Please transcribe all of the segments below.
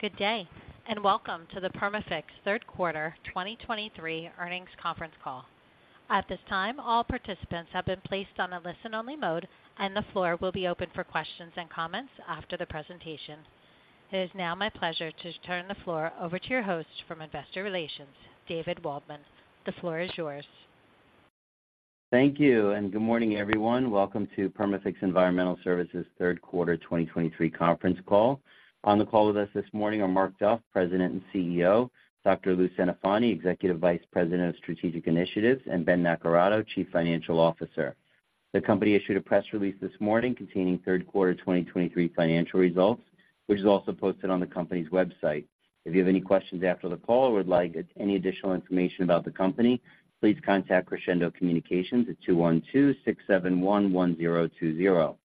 Good day, and welcome to the Perma-Fix third quarter 2023 earnings conference call. At this time, all participants have been placed on a listen-only mode, and the floor will be open for questions and comments after the presentation. It is now my pleasure to turn the floor over to your host from Investor Relations, David Waldman. The floor is yours. Thank you, and good morning, everyone. Welcome to Perma-Fix Environmental Services third quarter 2023 conference call. On the call with us this morning are Mark Duff, President and CEO, Dr. Lou Centofanti, Executive Vice President of Strategic Initiatives, and Ben Naccarato, Chief Financial Officer. The company issued a press release this morning containing third quarter 2023 financial results, which is also posted on the company's website. If you have any questions after the call or would like any additional information about the company, please contact Crescendo Communications at 212-671-1020.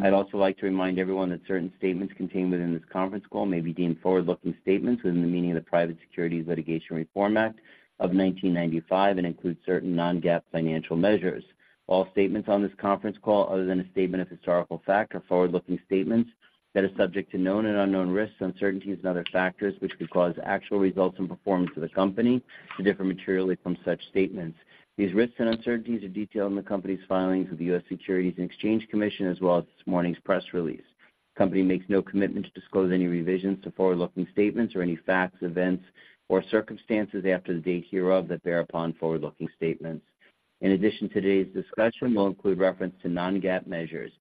I'd also like to remind everyone that certain statements contained within this conference call may be deemed forward-looking statements within the meaning of the Private Securities Litigation Reform Act of 1995 and include certain non-GAAP financial measures All statements on this conference call, other than a statement of historical fact, are forward-looking statements that are subject to known and unknown risks, uncertainties and other factors, which could cause actual results and performance of the company to differ materially from such statements. These risks and uncertainties are detailed in the company's filings with the U.S. Securities and Exchange Commission, as well as this morning's press release. The company makes no commitment to disclose any revisions to forward-looking statements or any facts, events, or circumstances after the date hereof that bear upon forward-looking statements. In addition to today's discussion, we'll include reference to non-GAAP measures.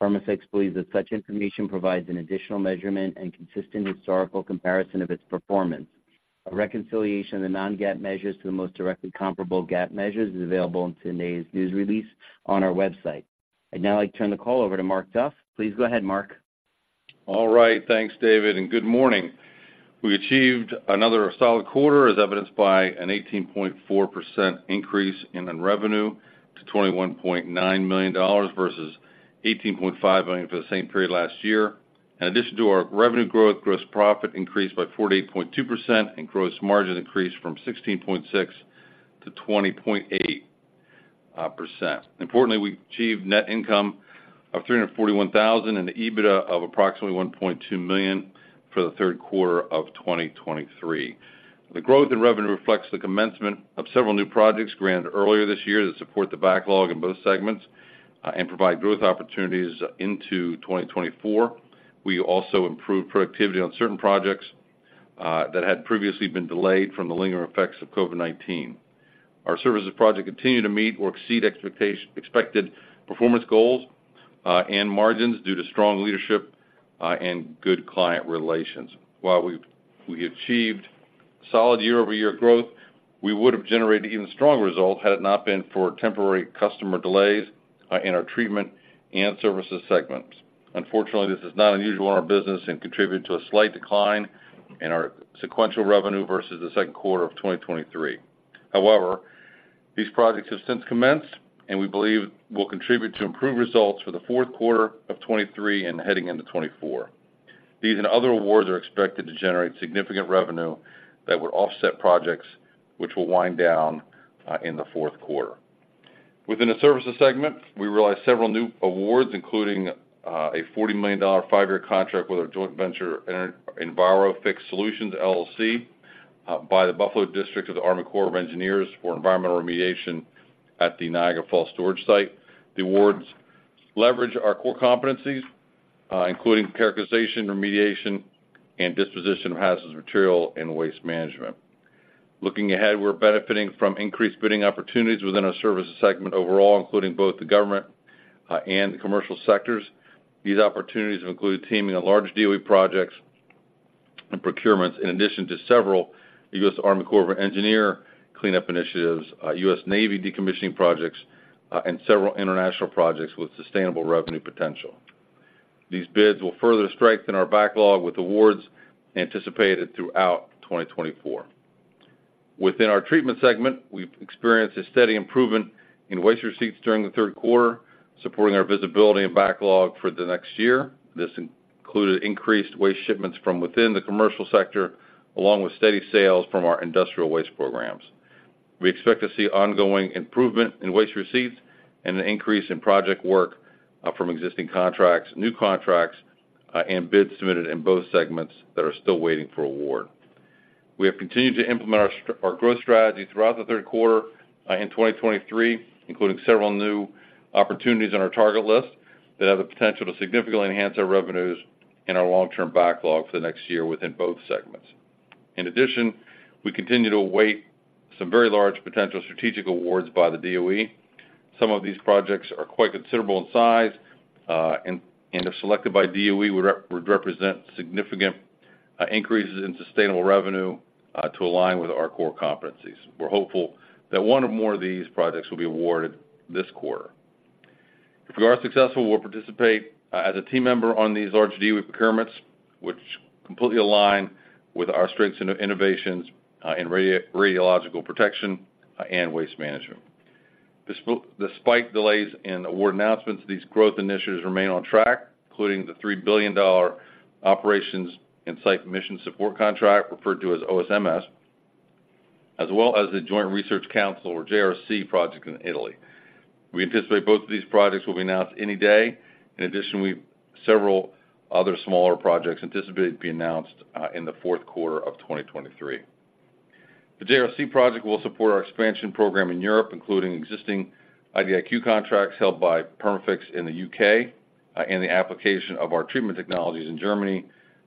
Perma-Fix believes that such information provides an additional measurement and consistent historical comparison of its performance. A reconciliation of the non-GAAP measures to the most directly comparable GAAP measures is available in today's news release on our website. I'd now like to turn the call over to Mark Duff. Please go ahead, Mark. All right, thanks, David, and good morning. We achieved another solid quarter, as evidenced by an 18.4% increase in revenue to $21.9 million versus $18.5 million for the same period last year. In addition to our revenue growth, gross profit increased by 48.2% and gross margin increased from 16.6% to 20.8%. Importantly, we achieved net income of $341,000 and an EBITDA of approximately $1.2 million for the third quarter of 2023. The growth in revenue reflects the commencement of several new projects granted earlier this year that support the backlog in both segments and provide growth opportunities into 2024. We also improved productivity on certain projects that had previously been delayed from the lingering effects of COVID-19. Our services project continued to meet or exceed expected performance goals and margins due to strong leadership and good client relations. While we've achieved solid year-over-year growth, we would have generated even stronger results had it not been for temporary customer delays in our treatment and services segments. Unfortunately, this is not unusual in our business and contributed to a slight decline in our sequential revenue versus the second quarter of 2023. However, these projects have since commenced, and we believe will contribute to improved results for the fourth quarter of 2023 and heading into 2024. These and other awards are expected to generate significant revenue that would offset projects which will wind down in the fourth quarter. Within the services segment, we realized several new awards, including a $40 million five-year contract with our joint venture, Enviro-Fix Solutions, LLC, by the Buffalo District of the U.S. Army Corps of Engineers for environmental remediation at the Niagara Falls Storage Site. The awards leverage our core competencies, including characterization, remediation, and disposition of hazardous material and waste management. Looking ahead, we're benefiting from increased bidding opportunities within our services segment overall, including both the government and the commercial sectors. These opportunities include teaming on large DOE projects and procurements, in addition to several U.S. Army Corps of Engineers cleanup initiatives, U.S. Navy decommissioning projects, and several international projects with sustainable revenue potential. These bids will further strengthen our backlog with awards anticipated throughout 2024. Within our treatment segment, we've experienced a steady improvement in waste receipts during the third quarter, supporting our visibility and backlog for the next year. This included increased waste shipments from within the commercial sector, along with steady sales from our industrial waste programs. We expect to see ongoing improvement in waste receipts and an increase in project work from existing contracts, new contracts, and bids submitted in both segments that are still waiting for award. We have continued to implement our growth strategy throughout the third quarter in 2023, including several new opportunities on our target list that have the potential to significantly enhance our revenues and our long-term backlog for the next year within both segments. In addition, we continue to await some very large potential strategic awards by the DOE. Some of these projects are quite considerable in size, and if selected by DOE, would represent significant increases in sustainable revenue to align with our core competencies. We're hopeful that one or more of these projects will be awarded this quarter. If we are successful, we'll participate as a team member on these large DOE procurements, which completely align with our strengths and innovations in radiological protection and waste management. Despite delays in award announcements, these growth initiatives remain on track, including the $3 billion operations and site mission support contract, referred to as OSMS, as well as the Joint Research Centre, or JRC, project in Italy. We anticipate both of these projects will be announced any day. In addition, we've several other smaller projects anticipated to be announced in the fourth quarter of 2023. The JRC project will support our expansion program in Europe, including existing IDIQ contracts held by Perma-Fix in the U.K., and the application of our treatment technologies in Germany,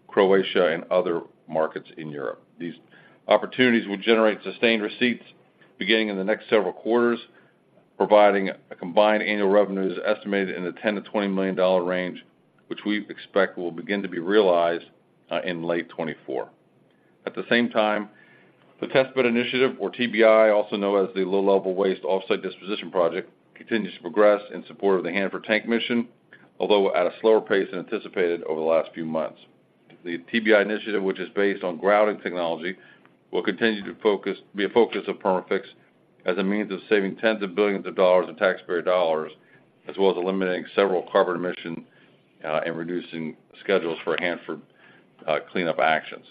Croatia, and other markets in Europe. These opportunities will generate sustained receipts beginning in the next several quarters, providing a combined annual revenues estimated in the $10 million-$20 million range, which we expect will begin to be realized, in late 2024. At the same time, the Test Bed Initiative, or TBI, also known as the Low Level Waste Off-Site Disposition Project, continues to progress in support of the Hanford Tank Mission, although at a slower pace than anticipated over the last few months. The TBI initiative, which is based on grouting technology, will continue to be a focus of Perma-Fix as a means of saving tens of billions of dollars in taxpayer dollars, as well as eliminating several carbon emission and reducing schedules for Hanford cleanup actions.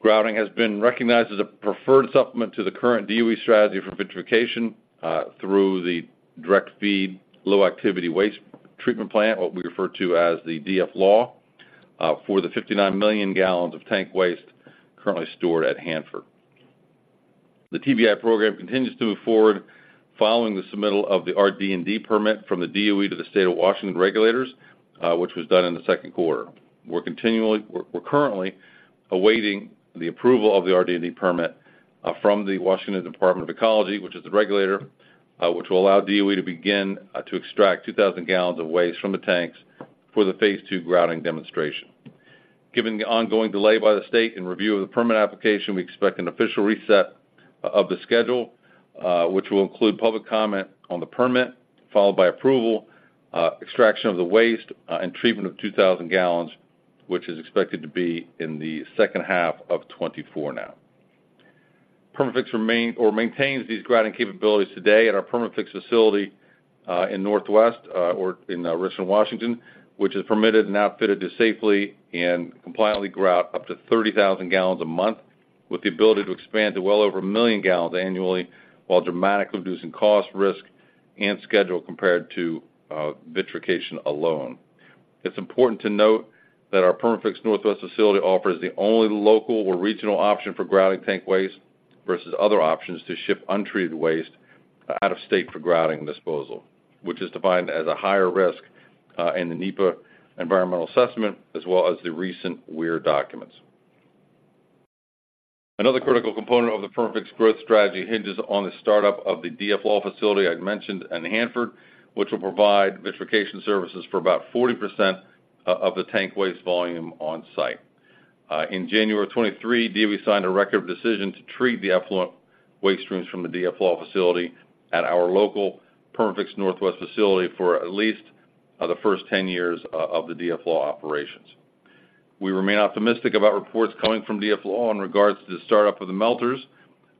Grouting has been recognized as a preferred supplement to the current DOE strategy for vitrification through the direct feed low-activity waste treatment plant, what we refer to as the DFLAW, for the 59 million gallons of tank waste currently stored at Hanford. The TBI program continues to move forward following the submittal of the RD&D permit from the DOE to the State of Washington regulators, which was done in the second quarter. We're currently awaiting the approval of the RD&D permit from the Washington Department of Ecology, which is the regulator, which will allow DOE to begin to extract 2,000 gallons of waste from the tanks for the phase two grouting demonstration. Given the ongoing delay by the state in review of the permit application, we expect an official reset of the schedule, which will include public comment on the permit, followed by approval, extraction of the waste, and treatment of 2,000 gallons, which is expected to be in the second half of 2024 now. Perma-Fix or maintains these grouting capabilities today at our Perma-Fix facility in Northwest or in Richland, Washington, which is permitted and outfitted to safely and compliantly grout up to 30,000 gallons a month, with the ability to expand to well over 1 million gallons annually, while dramatically reducing cost, risk, and schedule compared to vitrification alone. It's important to note that our Perma-Fix Northwest facility offers the only local or regional option for grouting tank waste versus other options to ship untreated waste out of state for grouting disposal, which is defined as a higher risk in the NEPA environmental assessment, as well as the recent WIR documents. Another critical component of the Perma-Fix growth strategy hinges on the startup of the DFLAW facility I mentioned in Hanford, which will provide vitrification services for about 40% of the tank waste volume on site. In January of 2023, DOE signed a record of decision to treat the effluent waste streams from the DFLAW facility at our local Perma-Fix Northwest facility for at least the first 10 years of the DFLAW operations. We remain optimistic about reports coming from DFLAW in regards to the startup of the melters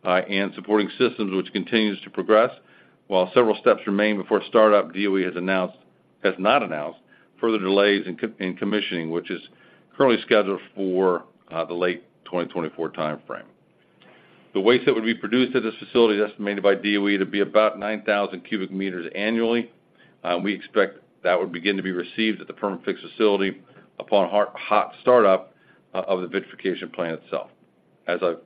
and supporting systems, which continues to progress. While several steps remain before startup, DOE has not announced further delays in commissioning, which is currently scheduled for the late 2024 timeframe. The waste that would be produced at this facility is estimated by DOE to be about 9,000 cubic meters annually. We expect that would begin to be received at the Perma-Fix facility upon hot startup of the vitrification plant itself. As I've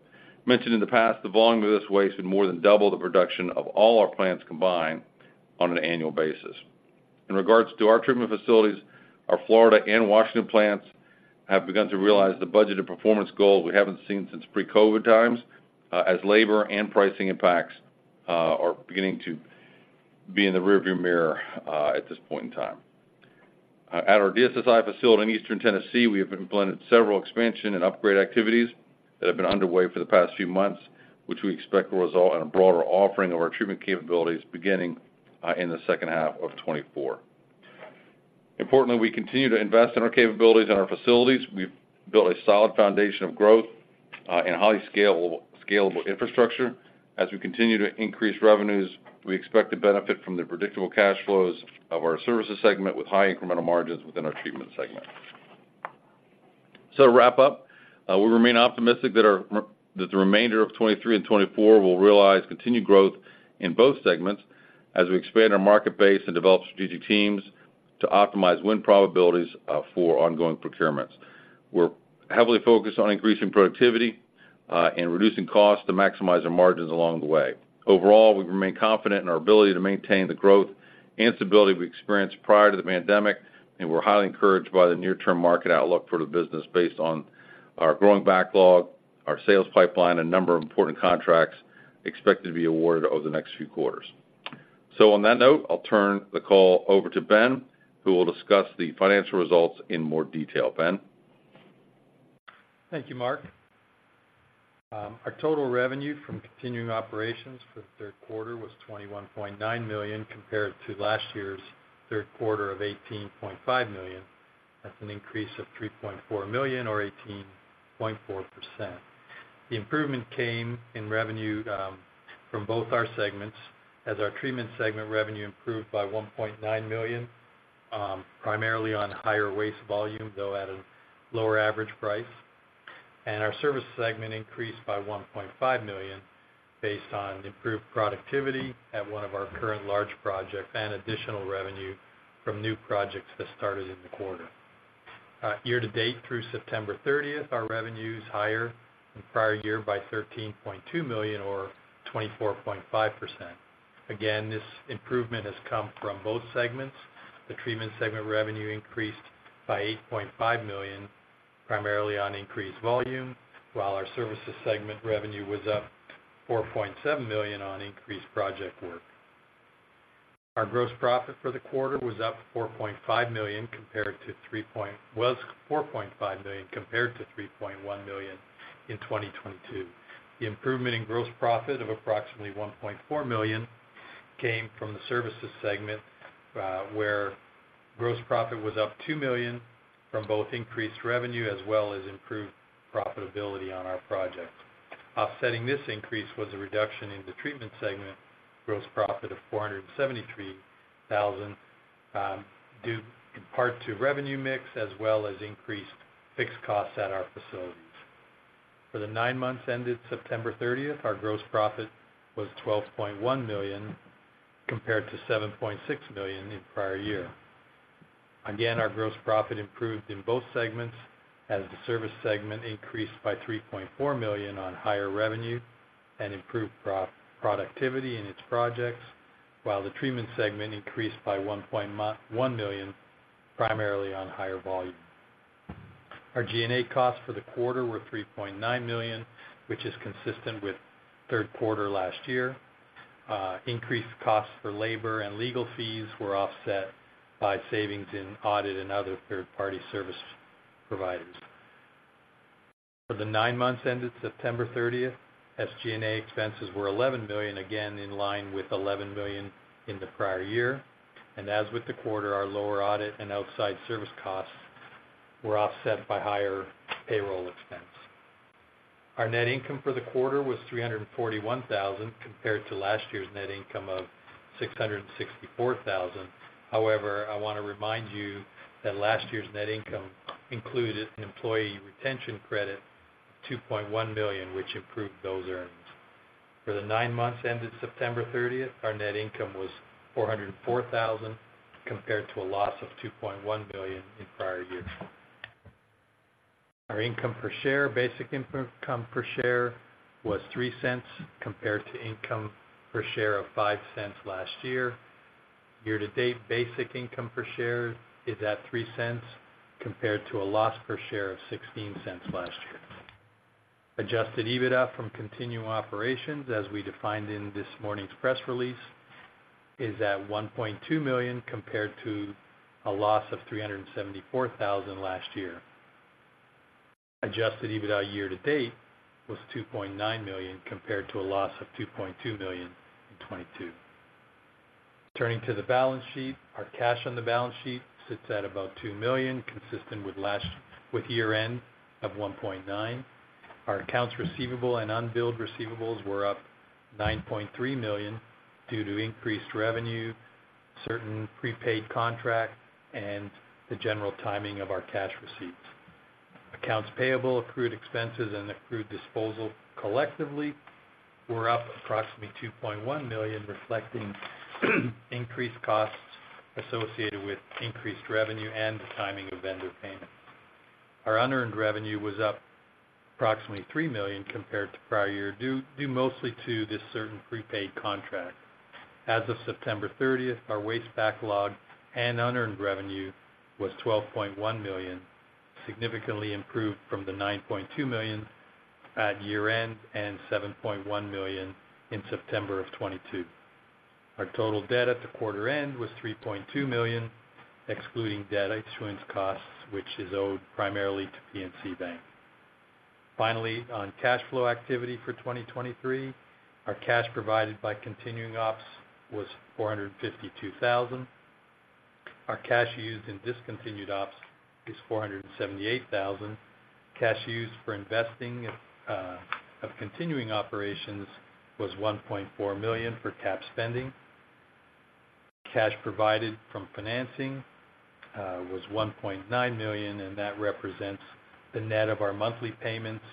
mentioned in the past, the volume of this waste is more than double the production of all our plants combined on an annual basis. In regards to our treatment facilities, our Florida and Washington plants have begun to realize the budgeted performance goals we haven't seen since pre-COVID times, as labor and pricing impacts are beginning to be in the rearview mirror at this point in time. At our DSSI facility in Eastern Tennessee, we have implemented several expansion and upgrade activities that have been underway for the past few months, which we expect will result in a broader offering of our treatment capabilities beginning in the second half of 2024. Importantly, we continue to invest in our capabilities and our facilities. We've built a solid foundation of growth and highly scalable infrastructure. As we continue to increase revenues, we expect to benefit from the predictable cash flows of our services segment, with high incremental margins within our treatment segment. So to wrap up, we remain optimistic that the remainder of 2023 and 2024 will realize continued growth in both segments as we expand our market base and develop strategic teams to optimize win probabilities for ongoing procurements. We're heavily focused on increasing productivity, and reducing costs to maximize our margins along the way. Overall, we remain confident in our ability to maintain the growth and stability we experienced prior to the pandemic, and we're highly encouraged by the near-term market outlook for the business based on our growing backlog, our sales pipeline, and number of important contracts expected to be awarded over the next few quarters. On that note, I'll turn the call over to Ben, who will discuss the financial results in more detail. Ben? Thank you, Mark. Our total revenue from continuing operations for the third quarter was $21.9 million, compared to last year's third quarter of $18.5 million. That's an increase of $3.4 million, or 18.4%. The improvement came in revenue from both our segments, as our treatment segment revenue improved by $1.9 million, primarily on higher waste volume, though at a lower average price. Our service segment increased by $1.5 million based on improved productivity at one of our current large projects and additional revenue from new projects that started in the quarter. Year-to-date through September thirtieth, our revenue is higher than prior year by $13.2 million or 24.5%. Again, this improvement has come from both segments. The treatment segment revenue increased by $8.5 million, primarily on increased volume, while our services segment revenue was up $4.7 million on increased project work. Our gross profit for the quarter was up $4.5 million, compared to $3.1 million in 2022. The improvement in gross profit of approximately $1.4 million came from the services segment, where gross profit was up $2 million from both increased revenue as well as improved profitability on our projects. Offsetting this increase was a reduction in the treatment segment gross profit of $473,000, due in part to revenue mix as well as increased fixed costs at our facilities. For the nine months ended September thirtieth, our gross profit was $12.1 million, compared to $7.6 million in prior year. Again, our gross profit improved in both segments, as the service segment increased by $3.4 million on higher revenue and improved productivity in its projects, while the treatment segment increased by $1 million, primarily on higher volume. Our G&A costs for the quarter were $3.9 million, which is consistent with third quarter last year. Increased costs for labor and legal fees were offset by savings in audit and other third-party service providers. For the nine months ended September thirtieth, SG&A expenses were $11 million, again in line with $11 million in the prior year. And as with the quarter, our lower audit and outside service costs were offset by higher payroll expense. Our net income for the quarter was $341,000, compared to last year's net income of $664,000. However, I want to remind you that last year's net income included an employee retention credit, $2.1 million, which improved those earnings. For the nine months ended September 30, our net income was $404,000, compared to a loss of $2.1 million in prior years. Our income per share, basic income per share, was $0.03, compared to income per share of $0.05 last year. Year to date, basic income per share is at $0.03, compared to a loss per share of $0.16 last year. Adjusted EBITDA from continuing operations, as we defined in this morning's press release, is at $1.2 million, compared to a loss of $374,000 last year. Adjusted EBITDA year to date was $2.9 million, compared to a loss of $2.2 million in 2022. Turning to the balance sheet, our cash on the balance sheet sits at about $2 million, consistent with last year-end of $1.9 million. Our accounts receivable and unbilled receivables were up $9.3 million due to increased revenue, certain prepaid contracts, and the general timing of our cash receipts. Accounts payable, accrued expenses, and accrued disposal collectively were up approximately $2.1 million, reflecting increased costs associated with increased revenue and the timing of vendor payments. Our unearned revenue was up approximately $3 million compared to prior year, due mostly to this certain prepaid contract. As of September 30, our waste backlog and unearned revenue was $12.1 million, significantly improved from the $9.2 million at year-end, and $7.1 million in September 2022. Our total debt at the quarter end was $3.2 million, excluding debt issuance costs, which is owed primarily to PNC Bank. Finally, on cash flow activity for 2023, our cash provided by continuing ops was $452,000. Our cash used in discontinued ops is $478,000. Cash used for investing of continuing operations was $1.4 million for cap spending. Cash provided from financing was $1.9 million, and that represents the net of our monthly payments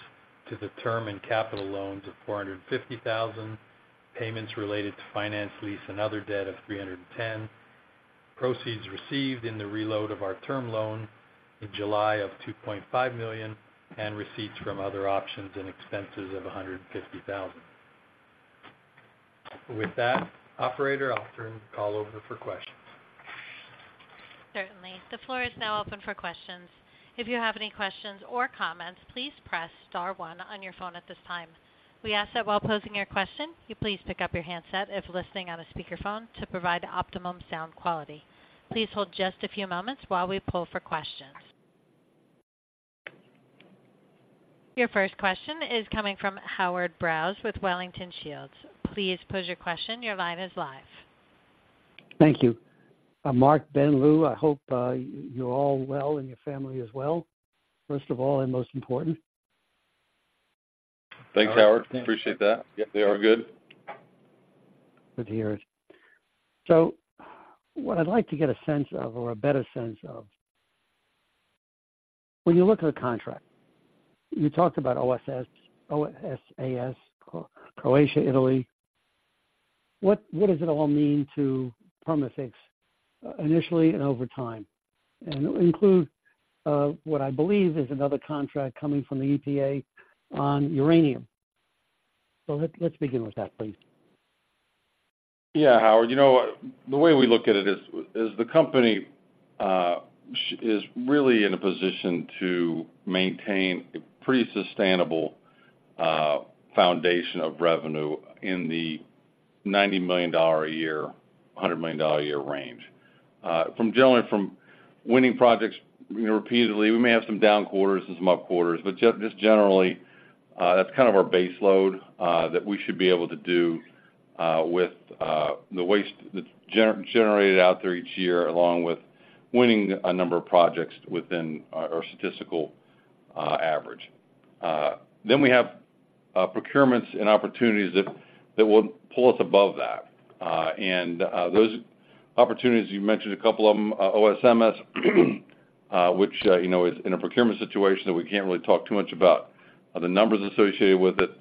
to the term and capital loans of $450,000, payments related to finance, lease, and other debt of $310. Proceeds received in the reload of our term loan in July of $2.5 million, and receipts from other options and expenses of $150,000. With that, operator, I'll turn the call over for questions. Certainly. The floor is now open for questions. If you have any questions or comments, please press star one on your phone at this time. We ask that while posing your question, you please pick up your handset if listening on a speakerphone to provide optimum sound quality. Please hold just a few moments while we pull for questions. Your first question is coming from Howard Brous with Wellington Shields. Please pose your question. Your line is live. Thank you. Mark, Ben, Lou, I hope you're all well, and your family as well, first of all, and most important.... Thanks, Howard. Appreciate that. Yep, they are good. Good to hear it. So what I'd like to get a sense of, or a better sense of, when you look at a contract, you talked about OSMS, Croatia, Italy. What, what does it all mean to Perma-Fix initially and over time? And include what I believe is another contract coming from the EPA on uranium. So let's begin with that, please. Yeah, Howard, you know what? The way we look at it is, is the company, is really in a position to maintain a pretty sustainable, foundation of revenue in the $90 million a year-$100 million a year range. From generally from winning projects, you know, repeatedly, we may have some down quarters and some up quarters, but just, just generally, that's kind of our base load, that we should be able to do, with, the waste that's gener- generated out there each year, along with winning a number of projects within our, our statistical, average. Then we have, procurements and opportunities that, that will pull us above that. And those opportunities you mentioned, a couple of them, OSMS, which, you know, is in a procurement situation that we can't really talk too much about the numbers associated with it.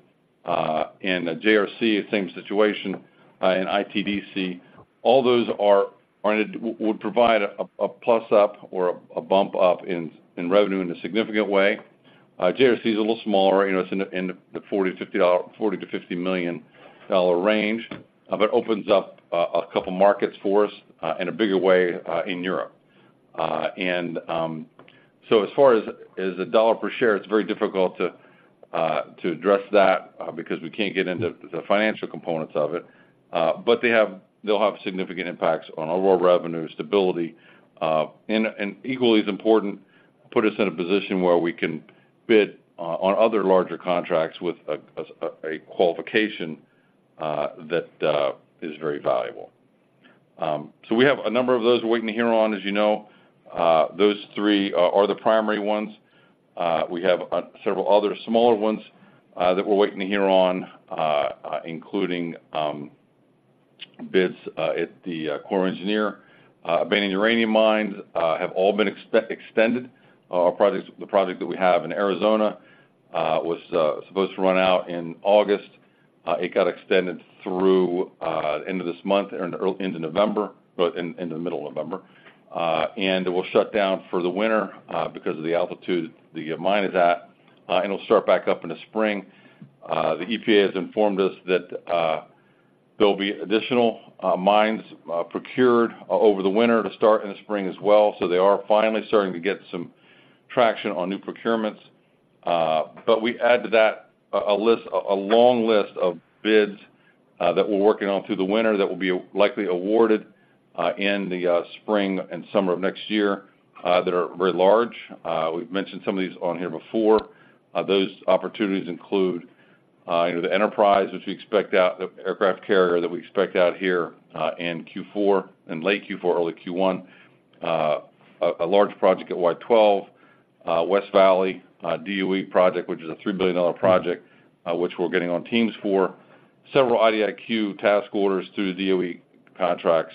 And JRC, same situation, and ITDC. All those would provide a plus up or a bump up in revenue in a significant way. JRC is a little smaller, you know, it's in the $40 million-$50 million range. But it opens up a couple markets for us in a bigger way in Europe. And so as far as the dollar per share, it's very difficult to address that because we can't get into the financial components of it. But they have-- they'll have significant impacts on our overall revenue stability. And equally as important, put us in a position where we can bid on other larger contracts with a qualification that is very valuable. So we have a number of those we're waiting to hear on, as you know. Those three are the primary ones. We have several other smaller ones that we're waiting to hear on, including bids at the Corps of Engineers. Abandoned uranium mines have all been extended. Our projects-- the project that we have in Arizona was supposed to run out in August. It got extended through end of this month and early into November, but in the middle of November. It will shut down for the winter because of the altitude the mine is at, and it'll start back up in the spring. The EPA has informed us that there'll be additional mines procured over the winter to start in the spring as well. So they are finally starting to get some traction on new procurements. But we add to that a long list of bids that we're working on through the winter that will be likely awarded in the spring and summer of next year that are very large. We've mentioned some of these on here before. Those opportunities include, you know, the Enterprise, which we expect out, the aircraft carrier that we expect out here in Q4, in late Q4, early Q1. A large project at Y-12, West Valley, DOE project, which is a $3 billion project, which we're getting on teams for. Several IDIQ task orders through the DOE contracts,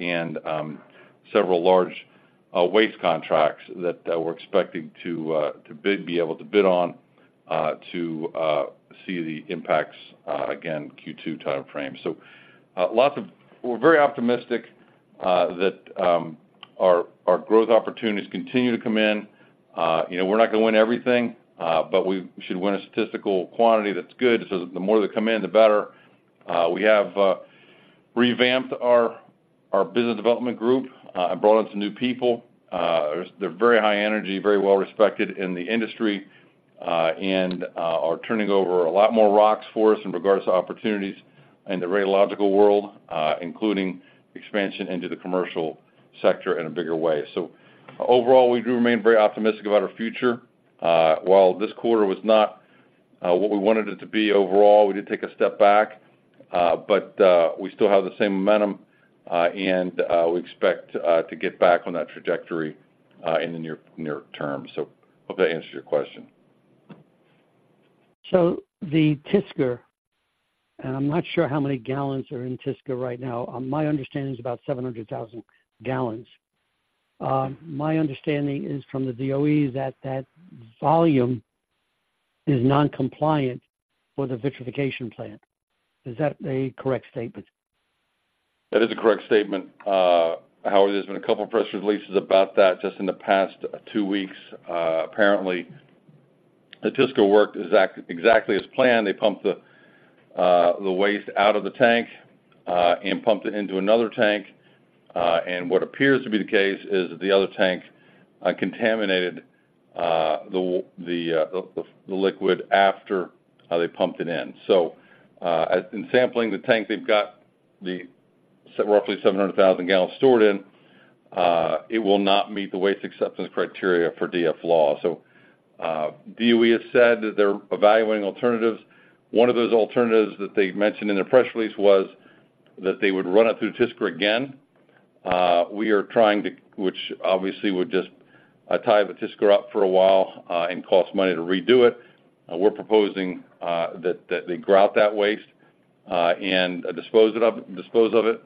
and several large waste contracts that we're expecting to be able to bid on, to see the impacts, again, Q2 time frame. So, lots of... We're very optimistic that our growth opportunities continue to come in. You know, we're not going to win everything, but we should win a statistical quantity that's good. So the more they come in, the better. We have revamped our business development group and brought in some new people. They're very high energy, very well respected in the industry, and are turning over a lot more rocks for us in regards to opportunities in the radiological world, including expansion into the commercial sector in a bigger way. So overall, we do remain very optimistic about our future. While this quarter was not what we wanted it to be overall, we did take a step back, but we still have the same momentum, and we expect to get back on that trajectory in the near term. So hope that answers your question. So the TSCR, and I'm not sure how many gallons are in TSCR right now. My understanding is about 700,000 gallons. My understanding is from the DOE, that that volume is non-compliant with the vitrification plant. Is that a correct statement? That is a correct statement. Howard, there's been a couple of press releases about that just in the past two weeks. Apparently, the TSCR worked exactly as planned. They pumped the waste out of the tank and pumped it into another tank. And what appears to be the case is that the other tank contaminated the liquid after they pumped it in. So, as in sampling the tank, they've got the roughly 700,000 gallons stored in it will not meet the waste acceptance criteria for DFLAW. So, DOE has said that they're evaluating alternatives. One of those alternatives that they mentioned in their press release was that they would run it through TSCR again. We are trying to, which obviously would just tie the TSCR up for a while and cost money to redo it. We're proposing that they grout that waste and dispose of it.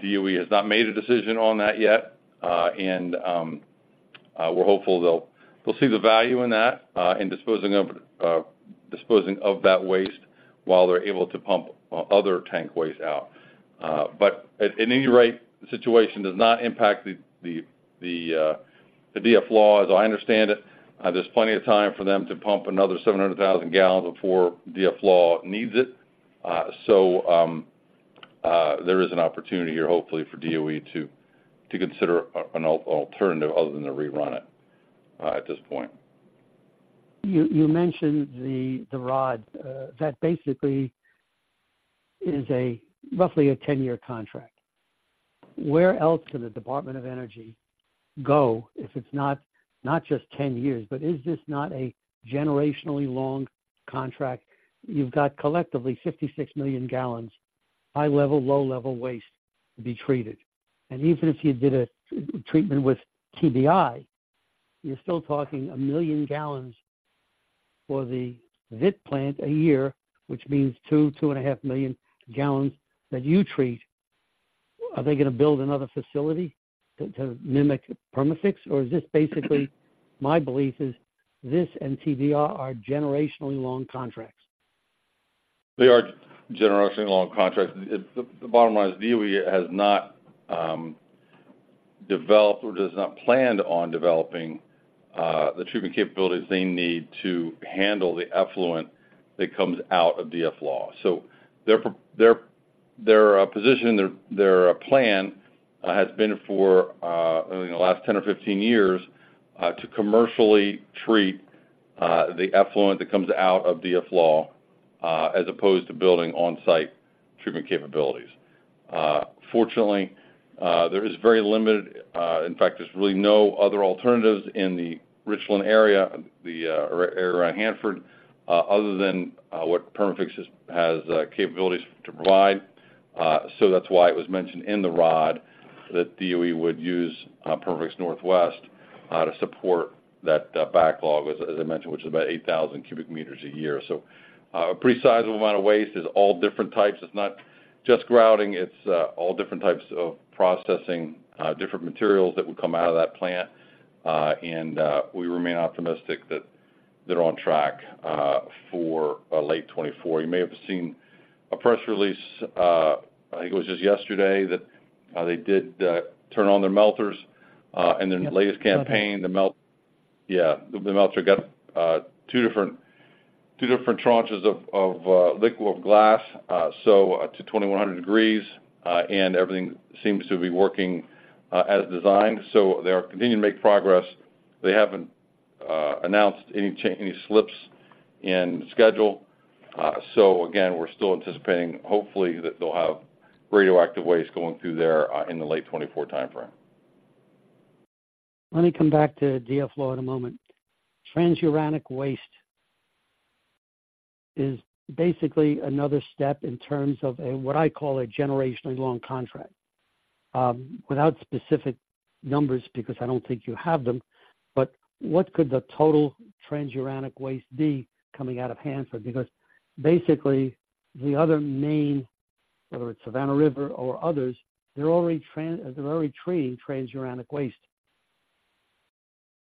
DOE has not made a decision on that yet, and we're hopeful they'll see the value in that, in disposing of that waste while they're able to pump other tank waste out. But at any rate, the situation does not impact the DFLAW, as I understand it. There's plenty of time for them to pump another 700,000 gallons before DFLAW needs it. So there is an opportunity here, hopefully, for DOE to consider an alternative other than to rerun it at this point. You mentioned the ROD that basically is roughly a 10-year contract. Where else can the Department of Energy go if it's not just 10 years, but is this not a generationally long contract? You've got collectively 56 million gallons, high-level, low-level waste to be treated. And even if you did a treatment with TBI, you're still talking 1 million gallons for the Vit Plant a year, which means 2 million to 2.5 million gallons that you treat. Are they gonna build another facility to mimic Perma-Fix? Or is this basically, my belief is this and TBI are generationally long contracts. They are generationally long contracts. It's the bottom line is, DOE has not developed or does not plan on developing the treatment capabilities they need to handle the effluent that comes out of DF-LAW. So their position, their plan has been for in the last 10 or 15 years to commercially treat the effluent that comes out of DF-LAW as opposed to building on-site treatment capabilities. Fortunately, there is very limited, in fact, there's really no other alternatives in the Richland area, the area around Hanford other than what Perma-Fix has capabilities to provide. So that's why it was mentioned in the ROD that DOE would use Perma-Fix Northwest to support that backlog, as I mentioned, which is about 8,000 cubic meters a year. So a pretty sizable amount of waste. It's all different types. It's not just grouting, it's all different types of processing, different materials that would come out of that plant. And we remain optimistic that they're on track for late 2024. You may have seen a press release, I think it was just yesterday, that they did turn on their melters in their latest campaign. Yeah, the melter got two different tranches of liquid glass, so up to 2,100 degrees, and everything seems to be working as designed, so they are continuing to make progress. They haven't announced any slips in schedule. So again, we're still anticipating, hopefully, that they'll have radioactive waste going through there in the late 2024 timeframe. Let me come back to DFLAW in a moment. Transuranic waste is basically another step in terms of a, what I call a generationally long contract. Without specific numbers, because I don't think you have them, but what could the total transuranic waste be coming out of Hanford? Because basically, the other main, whether it's Savannah River or others, they're already treating transuranic waste.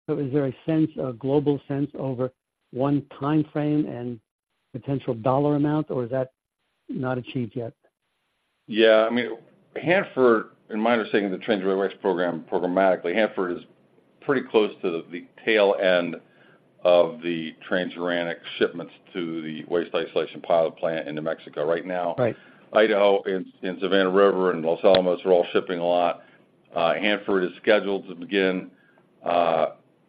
So is there a sense, a global sense over one time frame and potential dollar amount, or is that not achieved yet? Yeah. I mean, Hanford, in my understanding, the transuranic waste program, programmatically, Hanford is pretty close to the tail end of the transuranic shipments to the Waste Isolation Pilot Plant in New Mexico right now. Right. Idaho and Savannah River and Los Alamos are all shipping a lot. Hanford is scheduled to begin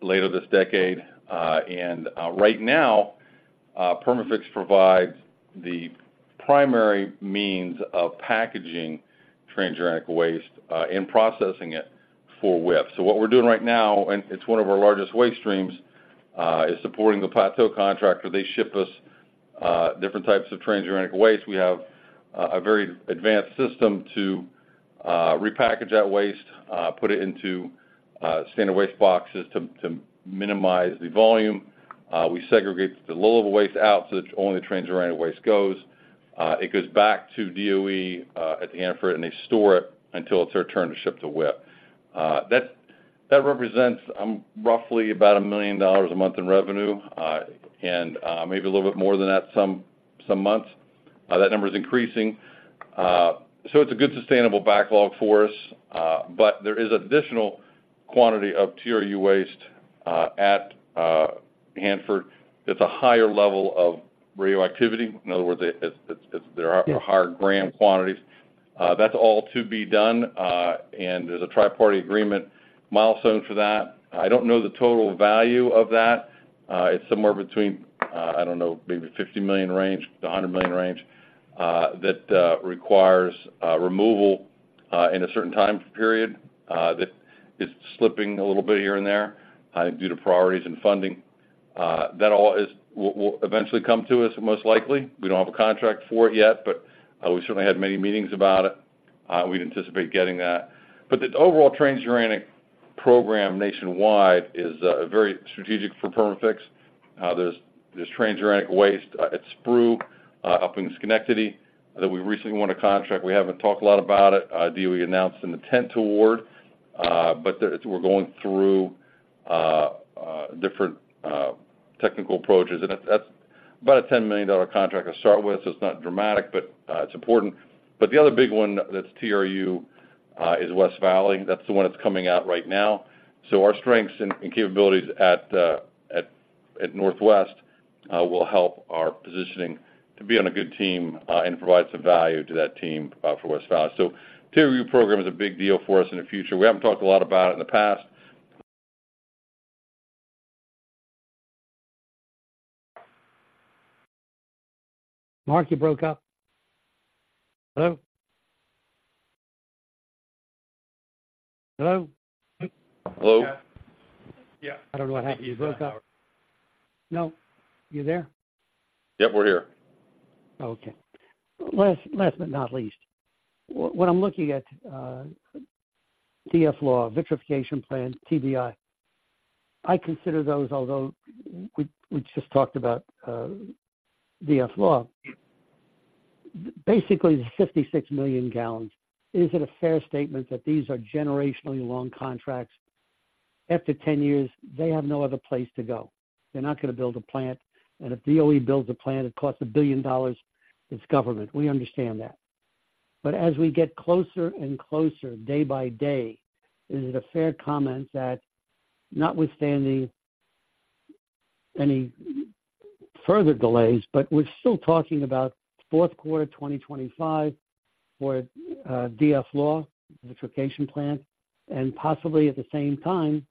later this decade. Right now, Perma-Fix provides the primary means of packaging transuranic waste and processing it for WIPP. So what we're doing right now, and it's one of our largest waste streams, is supporting the plateau contractor. They ship us different types of transuranic waste. We have a very advanced system to repackage that waste, put it into standard waste boxes to minimize the volume. We segregate the low-level waste out, so that only transuranic waste goes. It goes back to DOE at the Hanford, and they store it until it's their turn to ship to WIPP. That represents roughly about $1 million a month in revenue, and maybe a little bit more than that, some months. That number is increasing. So it's a good sustainable backlog for us, but there is additional quantity of TRU waste at Hanford. That's a higher level of radioactivity. In other words, there are higher gram quantities. That's all to be done, and there's a Tri-Party Agreement milestone for that. I don't know the total value of that. It's somewhere between, I don't know, maybe $50 million range to a $100 million range, that requires removal in a certain time period that is slipping a little bit here and there due to priorities in funding. That all will eventually come to us, most likely. We don't have a contract for it yet, but we certainly had many meetings about it. We'd anticipate getting that. But the overall transuranic program nationwide is very strategic for Perma-Fix. There's transuranic waste at SPRU up in Schenectady that we recently won a contract. We haven't talked a lot about it. DOE announced an intent award, but we're going through different technical approaches. And that's about a $10 million contract to start with, so it's not dramatic, but it's important. But the other big one that's TRU is West Valley. That's the one that's coming out right now. So our strengths and capabilities at Northwest will help our positioning to be on a good team and provide some value to that team for West Valley. TRU program is a big deal for us in the future. We haven't talked a lot about it in the past. Mark, you broke up. Hello? Hello. Hello? Yeah. I don't know what happened. You broke up. No, you there? Yep, we're here. Okay. Last but not least, when I'm looking at DF-LAW, vitrification plan, TBI, I consider those, although we just talked about DF-LAW. Basically, the 56 million gallons, is it a fair statement that these are generationally long contracts? After 10 years, they have no other place to go. They're not going to build a plant, and if DOE builds a plant, it costs $1 billion. It's government, we understand that. But as we get closer and closer, day by day, is it a fair comment that notwithstanding any further delays, but we're still talking about fourth quarter 2025 for DF-LAW vitrification plant, and possibly at the same time,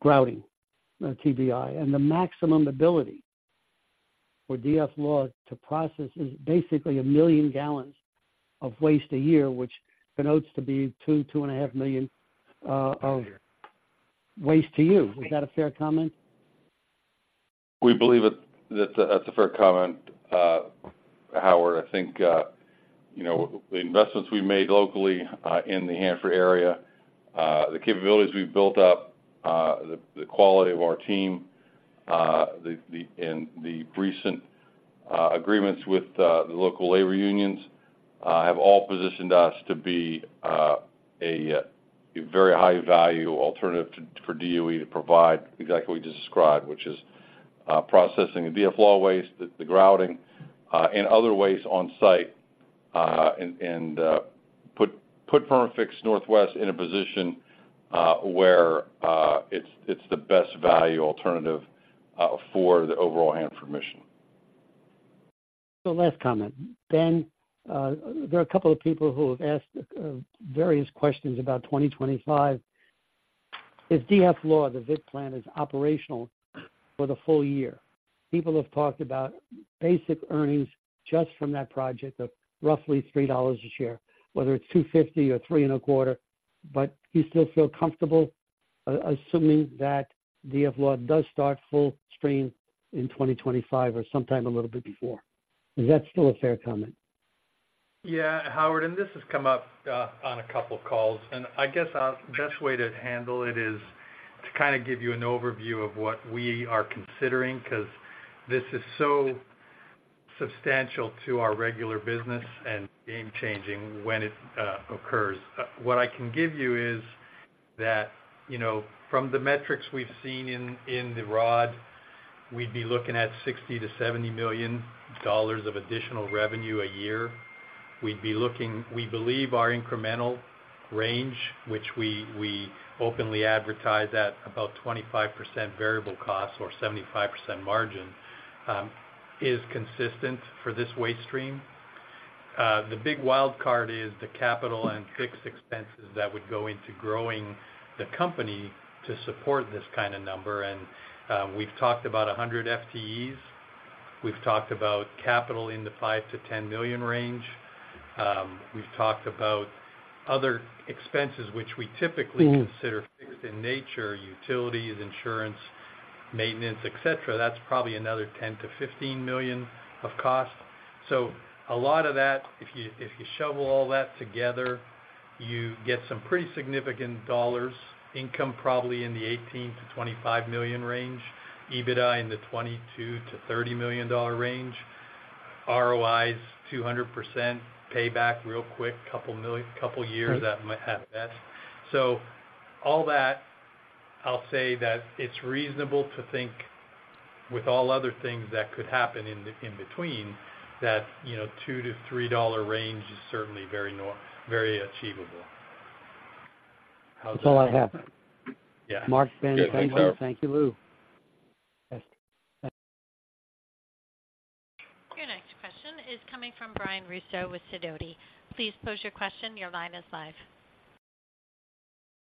grouting TBI. The maximum ability for DFLAW to process is basically 1 million gallons of waste a year, which connotes to be 2 million - 2.5 million of waste to you. Is that a fair comment? We believe it, that that's a fair comment, Howard. I think, you know, the investments we've made locally in the Hanford area, the capabilities we've built up, and the recent agreements with the local labor unions have all positioned us to be a very high value alternative to, for DOE to provide exactly what you just described, which is processing the DFLAW waste, the grouting, and other ways on site. And put Perma-Fix Northwest in a position where it's the best value alternative for the overall Hanford mission. So last comment. Ben, there are a couple of people who have asked various questions about 2025. If DF-LAW, the vit plan, is operational for the full year, people have talked about basic earnings just from that project of roughly $3 a share, whether it's $2.50 or $3.25. But you still feel comfortable, assuming that DF-LAW does start full stream in 2025 or sometime a little bit before. Is that still a fair comment? Yeah, Howard, and this has come up on a couple of calls, and I guess our best way to handle it is to kind of give you an overview of what we are considering, because this is so substantial to our regular business and game changing when it occurs. What I can give you is that, you know, from the metrics we've seen in the ROD, we'd be looking at $60 million- $70 million of additional revenue a year. We'd be looking—we believe our incremental range, which we openly advertise at about 25% variable costs or 75% margin, is consistent for this waste stream. The big wild card is the capital and fixed expenses that would go into growing the company to support this kind of number. And we've talked about 100 FTEs. We've talked about capital in the $5 million-$10 million range. We've talked about other expenses which we typically- Mm-hmm. - consider fixed in nature, utilities, insurance, maintenance, et cetera. That's probably another $10 million - $15 million of costs. So a lot of that, if you, if you shovel all that together, you get some pretty significant dollars, income probably in the $18 million-$25 million range, EBITDA in the $22 million-$30 million range. ROI is 200%, payback real quick, couple million - couple years at my, at best. So all that, I'll say that it's reasonable to think, with all other things that could happen in, in between, that, you know, $2-$3 range is certainly very achievable. That's all I have. Yeah. Mark, Ben, thank you. Thank you, Lou. Your next question is coming from Brian Russo with Sidoti. Please pose your question. Your line is live.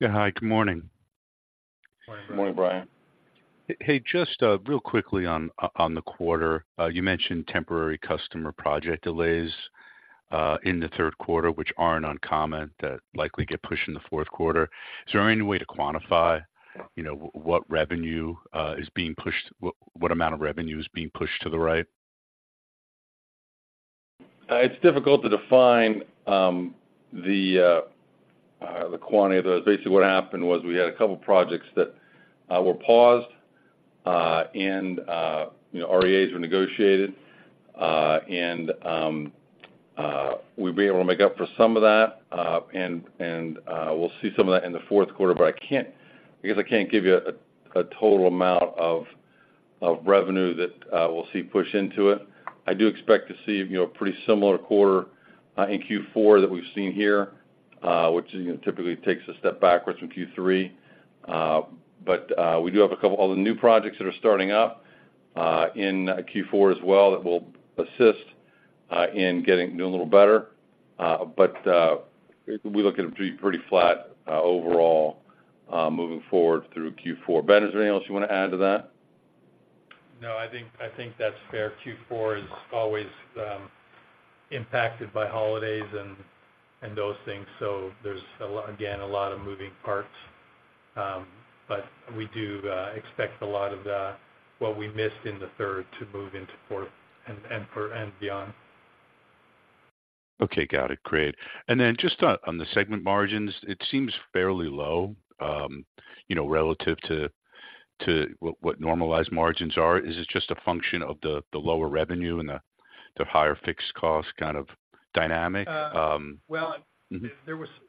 Yeah, hi, good morning. Good morning, Brian. Hey, just real quickly on the quarter. You mentioned temporary customer project delays in the third quarter, which aren't uncommon, that likely get pushed in the fourth quarter. Is there any way to quantify, you know, what revenue is being pushed, what amount of revenue is being pushed to the right? It's difficult to define the quantity of those. Basically, what happened was we had a couple projects that were paused, and, you know, REAs were negotiated. And, we've been able to make up for some of that, and, we'll see some of that in the fourth quarter, but I can't-- I guess I can't give you a total amount of revenue that we'll see pushed into it. I do expect to see, you know, a pretty similar quarter in Q4 that we've seen here, which, you know, typically takes a step backwards from Q3. But, we do have a couple-- all the new projects that are starting up in Q4 as well, that will assist in getting-- doing a little better. But, we look at it pretty, pretty flat, overall, moving forward through Q4. Ben, is there anything else you want to add to that? No, I think, I think that's fair. Q4 is always impacted by holidays and those things, so there's again a lot of moving parts. But we do expect a lot of the what we missed in the third to move into fourth and beyond. Okay, got it. Great. And then just on the segment margins, it seems fairly low, you know, relative to what normalized margins are. Is it just a function of the lower revenue and the higher fixed cost kind of dynamic? Uh, well- Mm-hmm.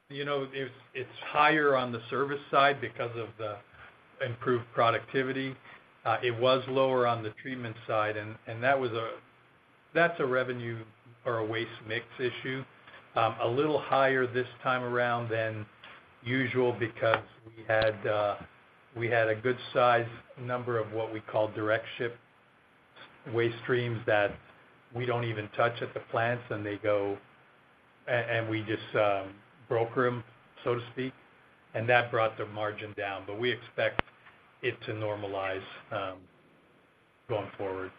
You know, it's higher on the service side because of the improved productivity. It was lower on the treatment side, and that was a revenue or a waste mix issue. A little higher this time around than usual because we had a good size number of what we call direct ship waste streams that we don't even touch at the plants, and they go and we just broker them, so to speak, and that brought the margin down, but we expect it to normalize going forward.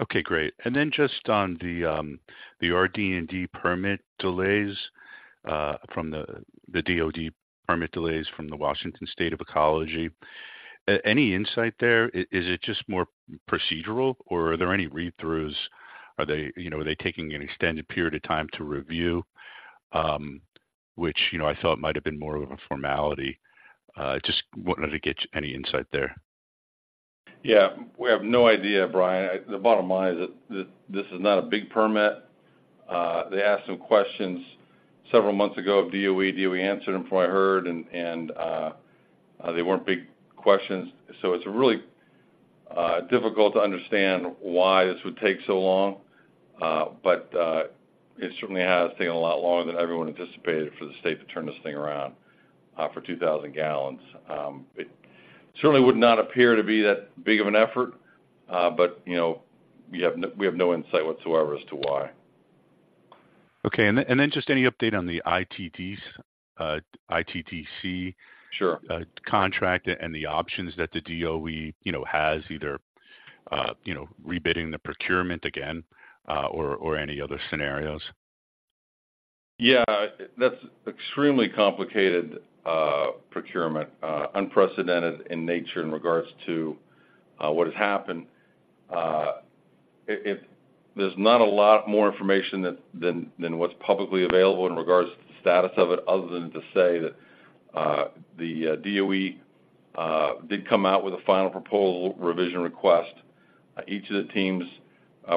Okay, great. And then just on the RD&D permit delays from the DoD permit delays from the Washington State Department of Ecology, any insight there? Is it just more procedural, or are there any read-throughs? Are they, you know, taking an extended period of time to review? Which, you know, I thought might have been more of a formality. Just wanted to get any insight there. Yeah, we have no idea, Brian. The bottom line is that this is not a big permit. They asked some questions several months ago of DOE. DOE answered them, from what I heard, and they weren't big questions. So it's really difficult to understand why this would take so long. But it certainly has taken a lot longer than everyone anticipated for the state to turn this thing around for 2,000 gallons. It certainly would not appear to be that big of an effort, but you know, we have no insight whatsoever as to why. Okay. And then just any update on the ITDC- Sure... contract and the options that the DOE, you know, has either, you know, rebidding the procurement again, or, or any other scenarios? Yeah, that's extremely complicated procurement, unprecedented in nature in regards to what has happened. It... There's not a lot more information than what's publicly available in regards to the status of it, other than to say that the DOE did come out with a final proposal revision request. Each of the teams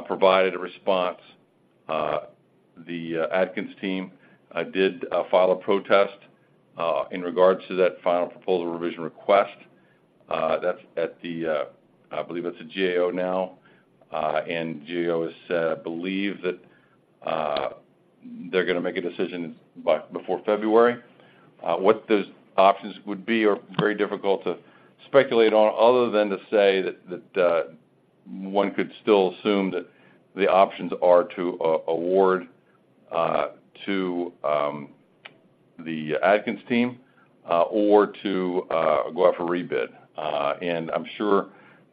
provided a response. The Atkins team did file a protest in regards to that final proposal revision request. That's at the, I believe it's a GAO now. And GAO is believed that they're gonna make a decision by before February. What those options would be are very difficult to speculate on, other than to say that that one could still assume that the options are to award to the Atkins team or to go out for rebid. And I'm sure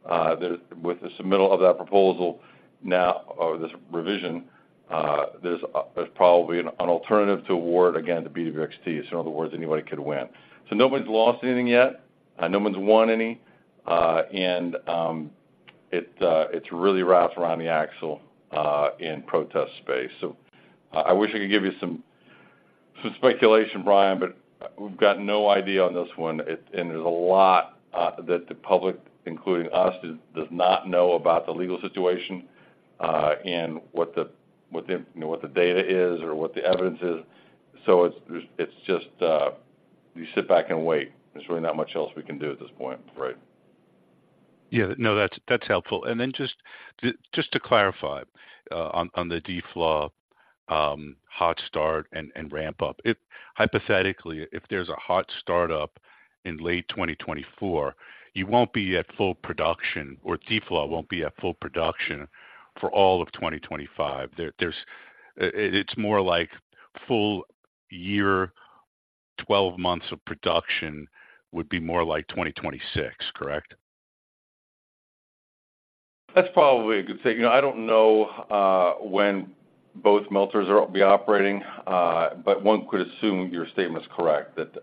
that with the submittal of that proposal now, or this revision, there's probably an alternative to award again to BWXT. So in other words, anybody could win. So no one's lost anything yet, and no one's won any and it really wraps around the axle in protest space. So I wish I could give you some speculation, Brian, but we've got no idea on this one. And there's a lot that the public, including us, does not know about the legal situation, and what the data is or what the evidence is, you know. So it's just you sit back and wait. There's really not much else we can do at this point, right? Yeah. No, that's, that's helpful. And then just to, just to clarify, on, on the DFLAW, hot start and, and ramp up. If, hypothetically, if there's a hot start up in late 2024, you won't be at full production, or DFLAW won't be at full production for all of 2025. There, there's, it's more like full year, 12 months of production would be more like 2026, correct?... That's probably a good thing. You know, I don't know when both melters will be operating, but one could assume your statement is correct, that,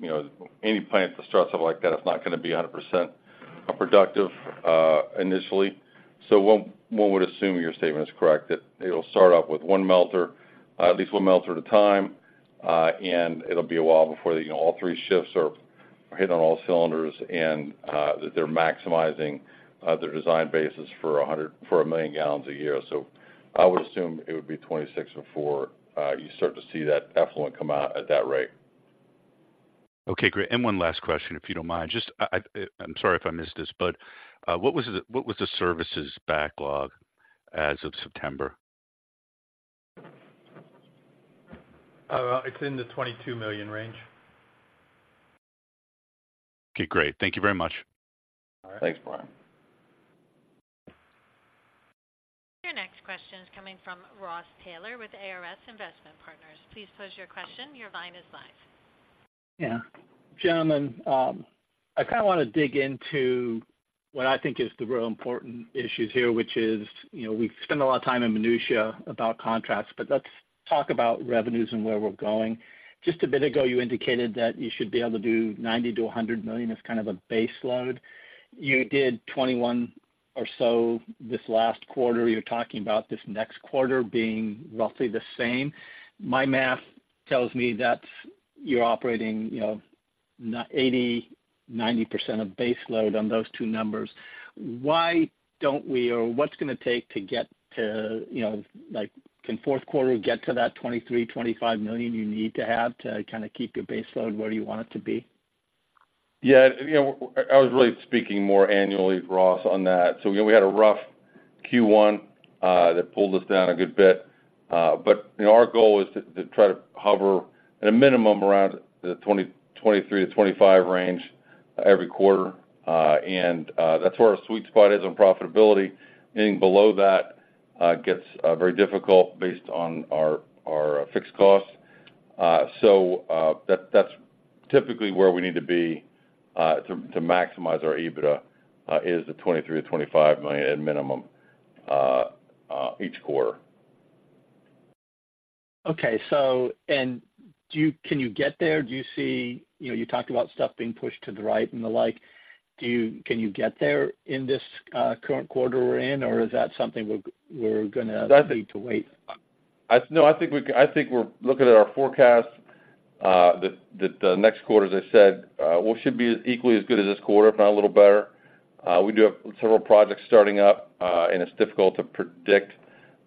you know, any plant that starts up like that is not gonna be 100% productive, initially. So one would assume your statement is correct, that it'll start off with one melter, at least one melter at a time, and it'll be a while before, you know, all three shifts are hitting on all cylinders and, that they're maximizing their design basis for 1 million gallons a year. So I would assume it would be 2026 before you start to see that effluent come out at that rate. Okay, great. And one last question, if you don't mind. Just, I, I'm sorry if I missed this, but what was the services backlog as of September? It's in the $22 million range. Okay, great. Thank you very much. All right. Thanks, Brian. Your next question is coming from Ross Taylor with ARS Investment Partners. Please pose your question. Your line is live. Yeah. Gentlemen, I kinda wanna dig into what I think is the real important issues here, which is, you know, we've spent a lot of time in minutiae about contracts, but let's talk about revenues and where we're going. Just a bit ago, you indicated that you should be able to do $90 million-$100 million as kind of a base load. You did $21 million or so this last quarter. You're talking about this next quarter being roughly the same. My math tells me that you're operating, you know, not 80-90% of base load on those two numbers. Why don't we, or what's it gonna take to get to, you know, like, can fourth quarter get to that $23 million-$25 million you need to have to kinda keep your base load where you want it to be? Yeah, you know, I was really speaking more annually, Ross, on that. So, you know, we had a rough Q1 that pulled us down a good bit. But, you know, our goal is to try to hover at a minimum around the 23-25 range every quarter. And that's where our sweet spot is on profitability. Anything below that gets very difficult based on our fixed costs. So, that's typically where we need to be to maximize our EBITDA is the $23 million-$25 million at minimum each quarter. Okay, so... And do you, can you get there? Do you see... You know, you talked about stuff being pushed to the right and the like, do you, can you get there in this current quarter we're in, or is that something we're, we're gonna have to wait? No, I think we're looking at our forecast that the next quarter, as I said, well, should be equally as good as this quarter, if not a little better. We do have several projects starting up, and it's difficult to predict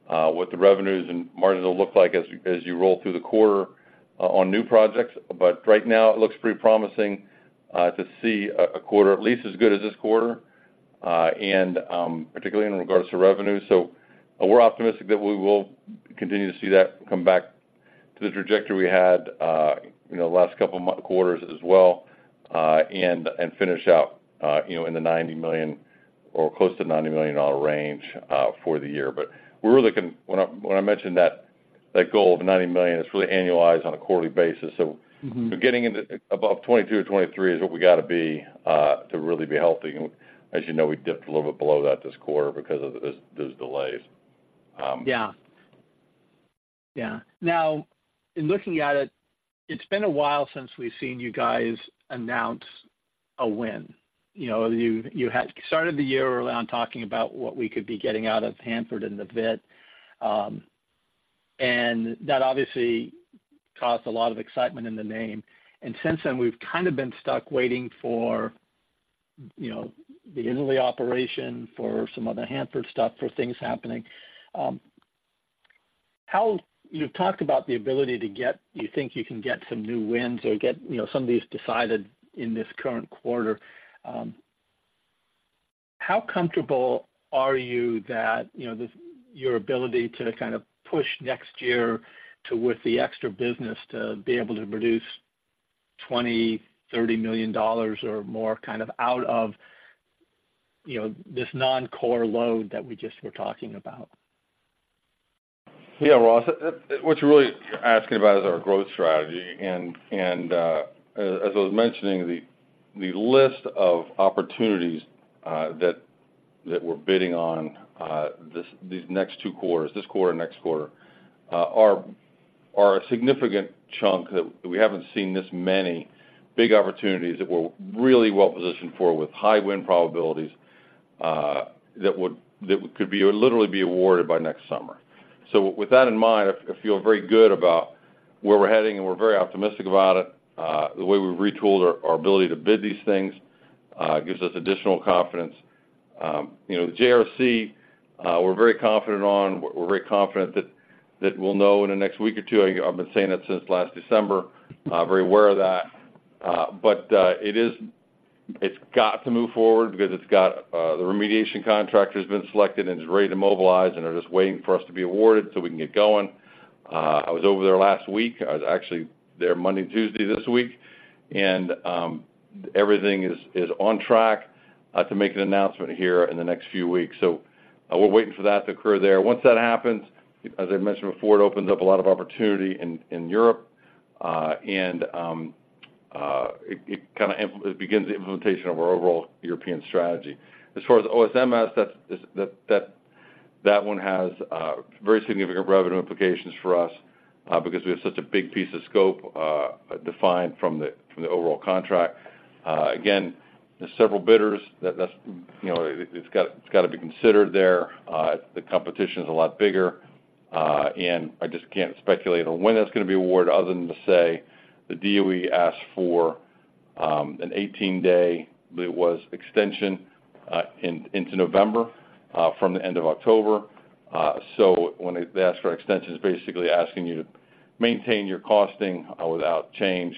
what the revenues and margins will look like as you roll through the quarter on new projects. But right now, it looks pretty promising to see a quarter at least as good as this quarter, and particularly in regards to revenue. So we're optimistic that we will continue to see that come back to the trajectory we had, you know, last couple of quarters as well, and finish out, you know, in the $90 million or close to $90 million range for the year. When I mentioned that goal of $90 million, it's really annualized on a quarterly basis. Mm-hmm. So getting into above 22 or 23 is what we got to be to really be healthy. And as you know, we dipped a little bit below that this quarter because of those, those delays, Yeah. Yeah. Now, in looking at it, it's been a while since we've seen you guys announce a win. You know, you, you had started the year early on talking about what we could be getting out of Hanford and the bid, and that obviously caused a lot of excitement in the name. And since then, we've kind of been stuck waiting for, you know, the Italy operation, for some other Hanford stuff, for things happening. You've talked about the ability to get - you think you can get some new wins or get, you know, some of these decided in this current quarter. How comfortable are you that, you know, your ability to kind of push next year to, with the extra business, to be able to produce $20 million-$30 million or more kind of out of, you know, this non-core load that we just were talking about? Yeah, Ross, what you're really asking about is our growth strategy. And, as I was mentioning, the list of opportunities that we're bidding on, these next two quarters, this quarter and next quarter, are a significant chunk that we haven't seen this many big opportunities that we're really well positioned for with high win probabilities that could literally be awarded by next summer. So with that in mind, I feel very good about where we're heading, and we're very optimistic about it. The way we've retooled our ability to bid these things gives us additional confidence. You know, the JRC, we're very confident on. We're very confident that we'll know in the next week or two. I've been saying that since last December, very aware of that. But it is, it's got to move forward because it's got the remediation contractor has been selected and is ready to mobilize, and they're just waiting for us to be awarded so we can get going. I was over there last week. I was actually there Monday, Tuesday this week, and everything is on track to make an announcement here in the next few weeks. So, we're waiting for that to occur there. Once that happens, as I mentioned before, it opens up a lot of opportunity in Europe... and it begins the implementation of our overall European strategy. As far as OSMS, that's the one that has very significant revenue implications for us, because we have such a big piece of scope defined from the overall contract. Again, there's several bidders. That's, you know, it's got to be considered there. The competition is a lot bigger, and I just can't speculate on when that's gonna be awarded, other than to say, the DOE asked for an 18-day extension into November from the end of October. So when they ask for an extension, it's basically asking you to maintain your costing without change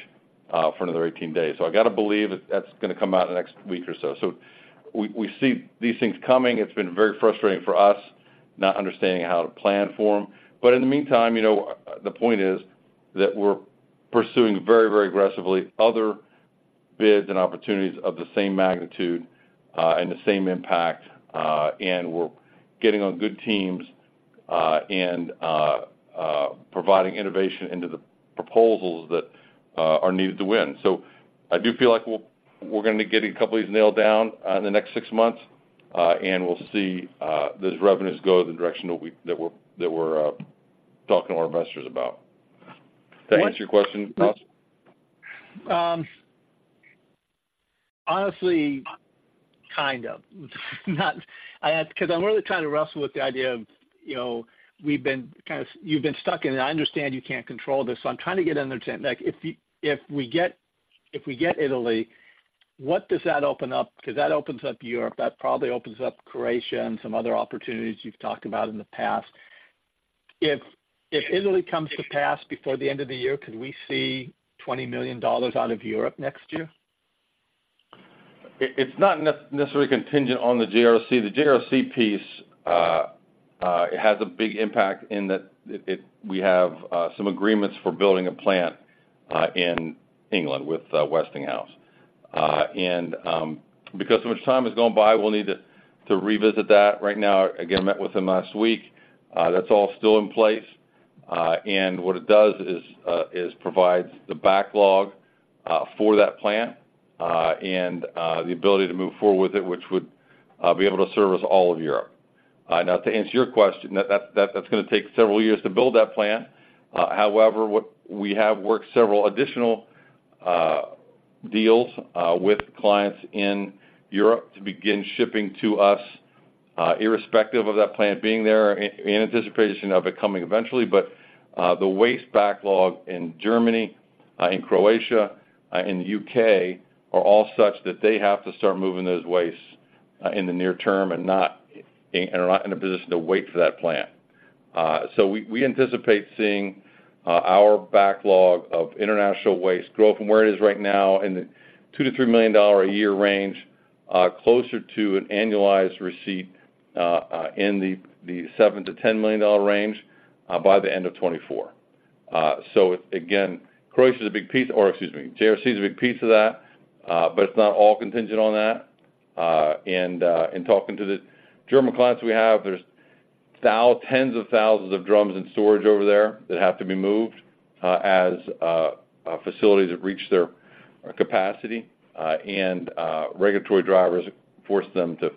for another 18 days. So I got to believe that that's gonna come out in the next week or so. So we see these things coming. It's been very frustrating for us, not understanding how to plan for them. But in the meantime, you know, the point is, that we're pursuing very, very aggressively other bids and opportunities of the same magnitude, and the same impact, and we're getting on good teams, and providing innovation into the proposals that are needed to win. So I do feel like we're gonna be getting a couple of these nailed down in the next six months, and we'll see those revenues go the direction that we're talking to our investors about. Thanks. Does that answer your question, Ross? Honestly, kind of. I ask because I'm really trying to wrestle with the idea of, you know, we've been kind of—you've been stuck in, and I understand you can't control this, so I'm trying to get an understanding—like, if we get Italy, what does that open up? Because that opens up Europe, that probably opens up Croatia and some other opportunities you've talked about in the past. If Italy comes to pass before the end of the year, could we see $20 million out of Europe next year? It's not necessarily contingent on the JRC. The JRC piece, it has a big impact in that it, we have some agreements for building a plant in England with Westinghouse. And because so much time has gone by, we'll need to revisit that. Right now, again, I met with them last week. That's all still in place. And what it does is provides the backlog for that plant and the ability to move forward with it, which would be able to service all of Europe. Now, to answer your question, that's gonna take several years to build that plant. However, we have worked several additional deals with clients in Europe to begin shipping to us, irrespective of that plant being there, in anticipation of it coming eventually. But, the waste backlog in Germany, in Croatia, in the UK, are all such that they have to start moving those wastes in the near term and are not in a position to wait for that plant. So we anticipate seeing our backlog of international waste grow from where it is right now in the $2 million-$3 million a year range closer to an annualized receipt in the $7 million-$10 million range by the end of 2024. So again, Croatia is a big piece, or excuse me, JRC is a big piece of that, but it's not all contingent on that. In talking to the German clients we have, there's tens of thousands of drums in storage over there that have to be moved, as facilities have reached their capacity, and regulatory drivers force them to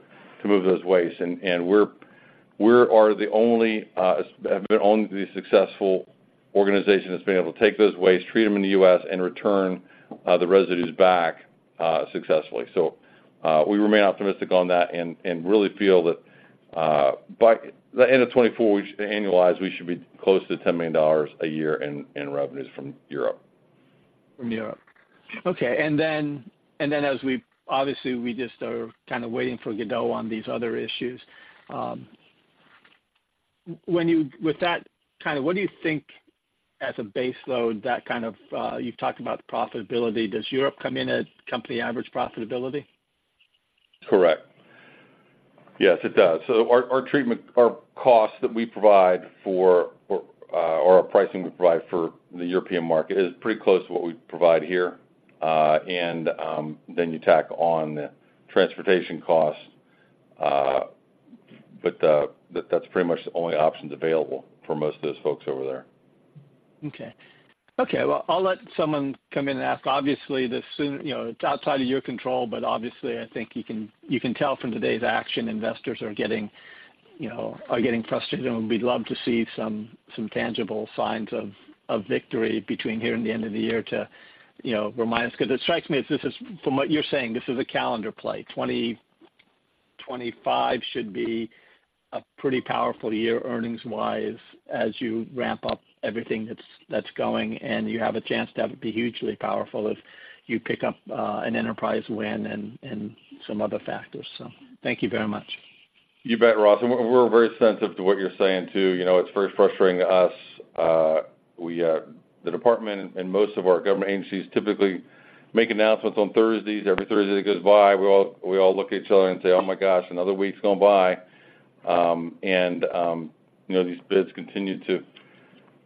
move those wastes. And we have been the only successful organization that's been able to take those wastes, treat them in the U.S., and return the residues back successfully. So we remain optimistic on that and really feel that, by the end of 2024, we annualize, we should be close to $10 million a year in revenues from Europe. From Europe. Okay, and then, and then as we obviously, we just are kind of waiting for Godot on these other issues. With that, kind of, what do you think as a baseload, that kind of, you've talked about profitability. Does Europe come in at company average profitability? Correct. Yes, it does. So our, our treatment, our costs that we provide for, or our pricing we provide for the European market is pretty close to what we provide here. And, then you tack on the transportation costs, but, that's pretty much the only options available for most of those folks over there. Okay. Okay, well, I'll let someone come in and ask. Obviously, the soon, you know, it's outside of your control, but obviously, I think you can, you can tell from today's action, investors are getting, you know, are getting frustrated, and we'd love to see some, some tangible signs of, of victory between here and the end of the year to, you know, remind us. Because it strikes me as this is, from what you're saying, this is a calendar play. 2025 should be a pretty powerful year, earnings-wise, as you ramp up everything that's, that's going, and you have a chance to have it be hugely powerful if you pick up an enterprise win and, and some other factors. So thank you very much. You bet, Ross, and we're very sensitive to what you're saying, too. You know, it's very frustrating to us. The department and most of our government agencies typically make announcements on Thursdays. Every Thursday that goes by, we all look at each other and say, "Oh, my gosh, another week's gone by." You know, these bids continue to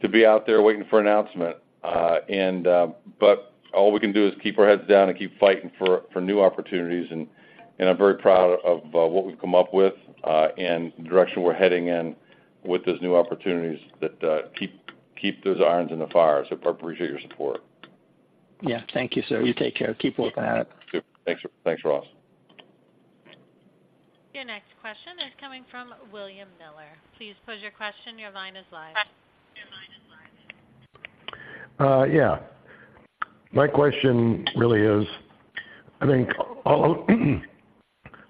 be out there waiting for an announcement. But all we can do is keep our heads down and keep fighting for new opportunities, and I'm very proud of what we've come up with and the direction we're heading in with those new opportunities that keep those irons in the fire. So I appreciate your support.... Yeah. Thank you, sir. You take care. Keep working at it. Sure. Thanks. Thanks, Ross. Your next question is coming from William Miller. Please pose your question. Your line is live. Yeah. My question really is, I think all,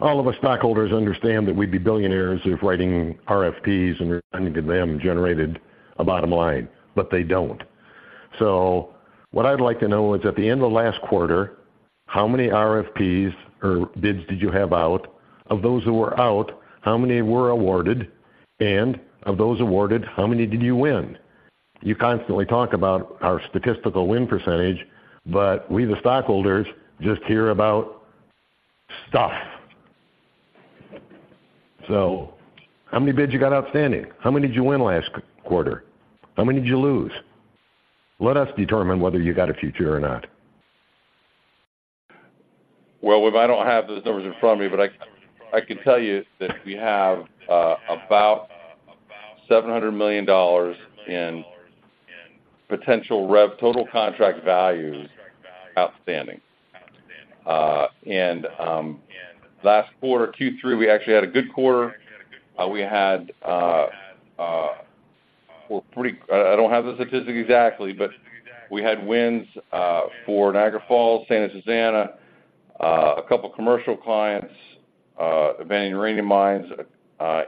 all of us stockholders understand that we'd be billionaires if writing RFPs and returning to them generated a bottom line, but they don't. So what I'd like to know is, at the end of last quarter, how many RFPs or bids did you have out? Of those who were out, how many were awarded? And of those awarded, how many did you win? You constantly talk about our statistical win percentage, but we, the stockholders, just hear about stuff. So how many bids you got outstanding? How many did you win last quarter? How many did you lose? Let us determine whether you got a future or not. Well, William, I don't have those numbers in front of me, but I can tell you that we have about $700 million in potential revenue, total contract value outstanding. And last quarter, Q3, we actually had a good quarter. We had wins for Niagara Falls, Santa Susana, a couple commercial clients, Vanadium mines,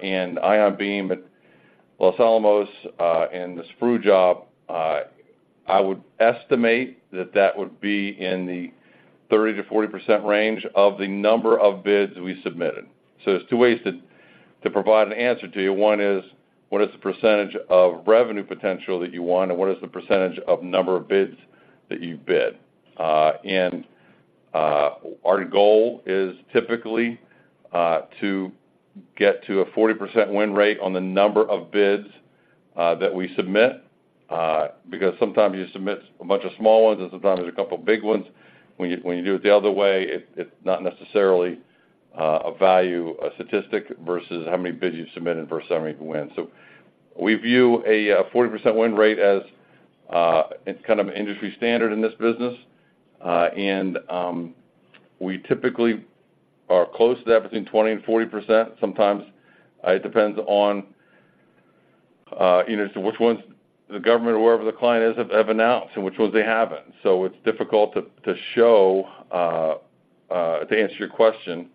and ion beam at Los Alamos, and the SPRU job. I would estimate that that would be in the 30%-40% range of the number of bids we submitted. So there's two ways to provide an answer to you. One is, what is the percentage of revenue potential that you won, and what is the percentage of number of bids that you've bid? And our goal is typically to get to a 40% win rate on the number of bids that we submit because sometimes you submit a bunch of small ones, and sometimes there's a couple big ones. When you do it the other way, it's not necessarily a value, a statistic versus how many bids you submitted versus how many you win. So we view a 40% win rate as it's kind of industry standard in this business. And we typically are close to that, between 20% and 40%. Sometimes it depends on you know, so which ones the government or whoever the client is have announced and which ones they haven't. So it's difficult to show to answer your question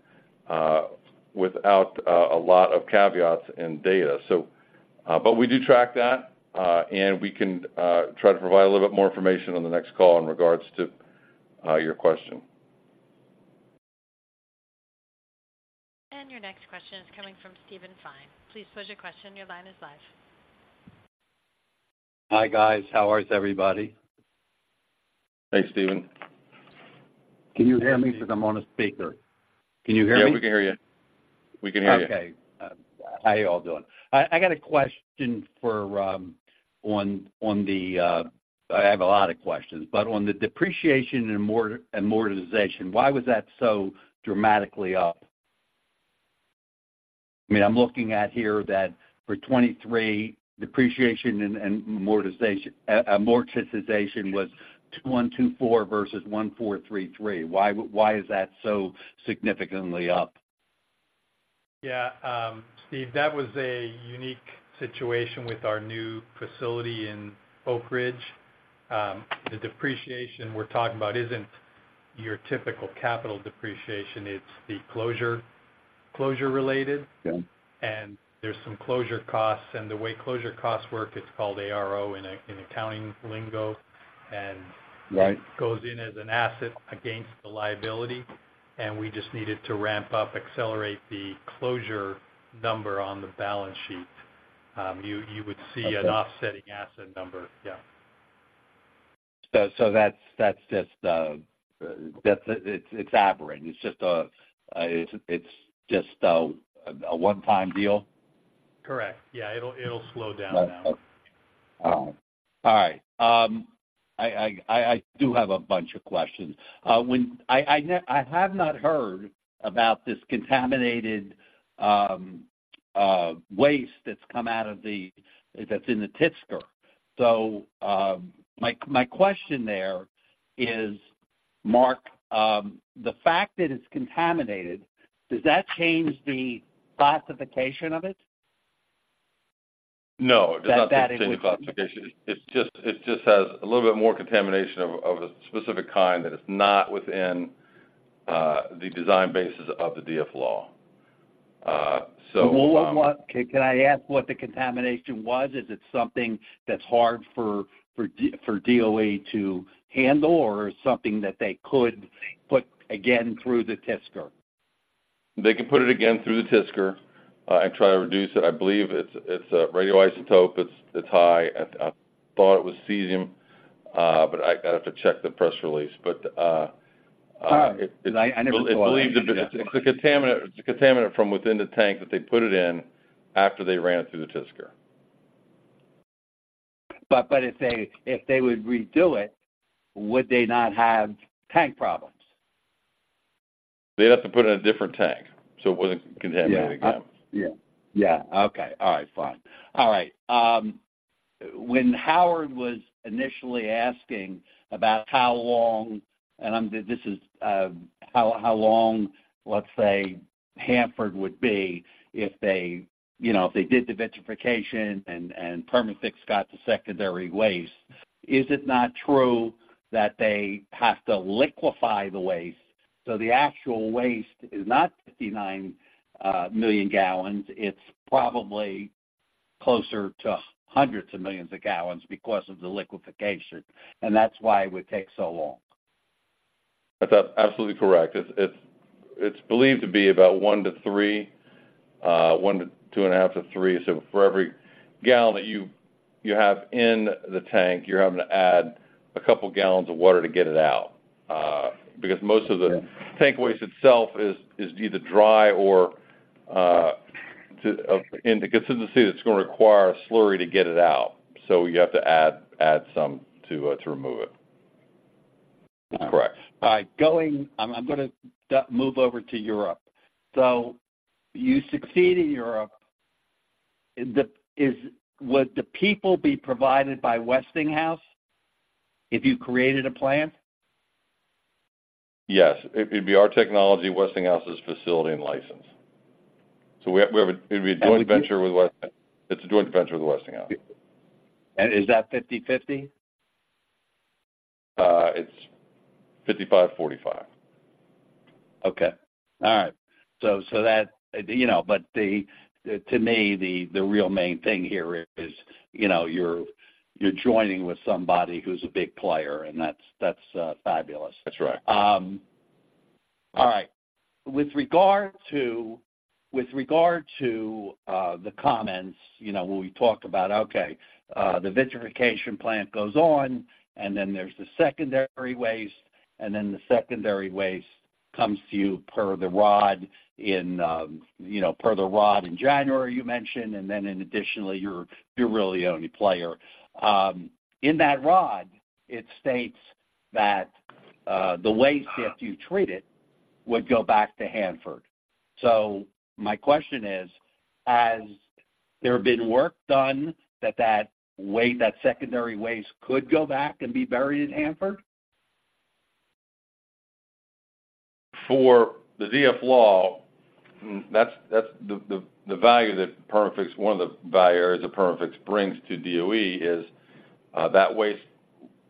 without a lot of caveats and data. So, but we do track that, and we can try to provide a little bit more information on the next call in regards to your question. Your next question is coming from Steven Fine. Please pose your question. Your line is live. Hi, guys. How is everybody? Thanks, Steven. Can you hear me? Because I'm on a speaker. Can you hear me? Yeah, we can hear you. We can hear you. Okay. How y'all doing? I got a question for, on, on the... I have a lot of questions, but on the depreciation and amortization, why was that so dramatically up? I mean, I'm looking at here that for 2023, depreciation and amortization was $2,124 versus $1,433. Why is that so significantly up? Yeah, Steve, that was a unique situation with our new facility in Oak Ridge. The depreciation we're talking about isn't your typical capital depreciation, it's the closure, closure related. Yeah. There's some closure costs, and the way closure costs work, it's called ARO in accounting lingo, and- Right - goes in as an asset against the liability, and we just needed to ramp up, accelerate the closure number on the balance sheet. You, you would see- Okay. an offsetting asset number. Yeah. So that's just it, it's abhorrent. It's just a one-time deal? Correct. Yeah. It'll slow down now. All right. I do have a bunch of questions. I have not heard about this contaminated waste that's come out of the, that's in the TSCA. So, my question there is, Mark, the fact that it's contaminated, does that change the classification of it? No, it does not change the classification. That, that- It just has a little bit more contamination of a specific kind that is not within the design basis of the DFLAW. Well, can I ask what the contamination was? Is it something that's hard for DOE to handle, or something that they could put again through the TSCA? They can put it again through the TSCA, and try to reduce it. I believe it's a radioisotope. It's high. I thought it was cesium, but I'd have to check the press release. But- I never- It's a contaminant, it's a contaminant from within the tank that they put it in after they ran it through the TSCA. But if they would redo it, would they not have tank problems?... They'd have to put it in a different tank, so it wouldn't contaminate again. Yeah. Yeah. Okay. All right, fine. All right, when Howard was initially asking about how long, and I'm, this is, how long, let's say, Hanford would be if they, you know, if they did the vitrification and Perma-Fix got the secondary waste, is it not true that they have to liquefy the waste? So the actual waste is not 59 million gallons, it's probably closer to hundreds of millions of gallons because of the liquefaction, and that's why it would take so long. That's absolutely correct. It's believed to be about 1-3, 1-2.5-3. So for every gallon that you have in the tank, you're having to add a couple gallons of water to get it out. Because most of the tank waste itself is either dry or too in the consistency that's gonna require a slurry to get it out. So you have to add some to remove it. Correct. All right, going... I'm gonna move over to Europe. So you succeed in Europe. Would the people be provided by Westinghouse if you created a plant? Yes. It'd be our technology, Westinghouse's facility, and license. So we have, it would be a joint venture with Westinghouse. It's a joint venture with Westinghouse. Is that 50/50? It's 55-45. Okay. All right. So that, you know, but to me, the real main thing here is, you know, you're joining with somebody who's a big player, and that's fabulous. That's right. All right. With regard to, with regard to, the comments, you know, when we talk about, okay, the vitrification plant goes on, and then there's the secondary waste, and then the secondary waste comes to you per the ROD in, you know, per the ROD in January, you mentioned, and then additionally, you're really the only player. In that ROD, it states that the waste, after you treat it, would go back to Hanford. So my question is, has there been work done that that waste, that secondary waste could go back and be buried in Hanford? For the DFLAW, that's the value that Perma-Fix, one of the value areas that Perma-Fix brings to DOE is, that waste,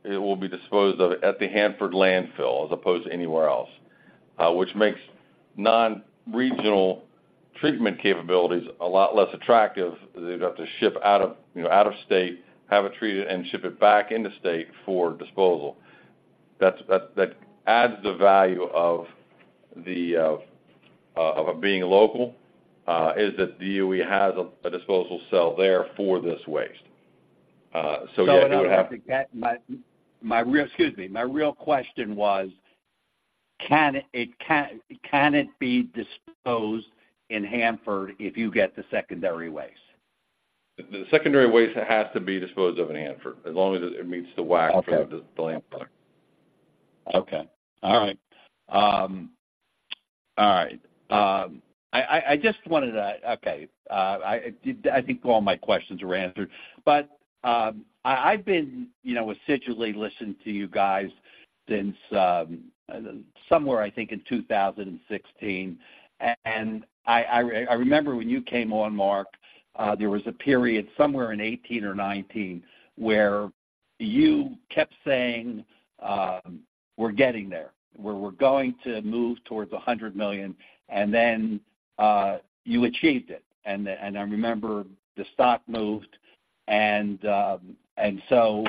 it will be disposed of at the Hanford landfill as opposed to anywhere else. Which makes non-regional treatment capabilities a lot less attractive, because they'd have to ship out of, you know, out of state, have it treated, and ship it back into state for disposal. That adds the value of it being local, is that DOE has a disposal cell there for this waste. So yeah, it would have to- Excuse me. My real question was, can it be disposed in Hanford if you get the secondary waste? The secondary waste has to be disposed of in Hanford, as long as it meets the WAC for the landfill. Okay. All right. All right, I just wanted to... Okay, I think all my questions were answered. But, I've been, you know, assiduously listening to you guys since, somewhere, I think, in 2016. And I remember when you came on, Mark, there was a period somewhere in 2018 or 2019 where you kept saying, "We're getting there. We're going to move towards $100 million," and then, you achieved it. And I remember the stock moved, and so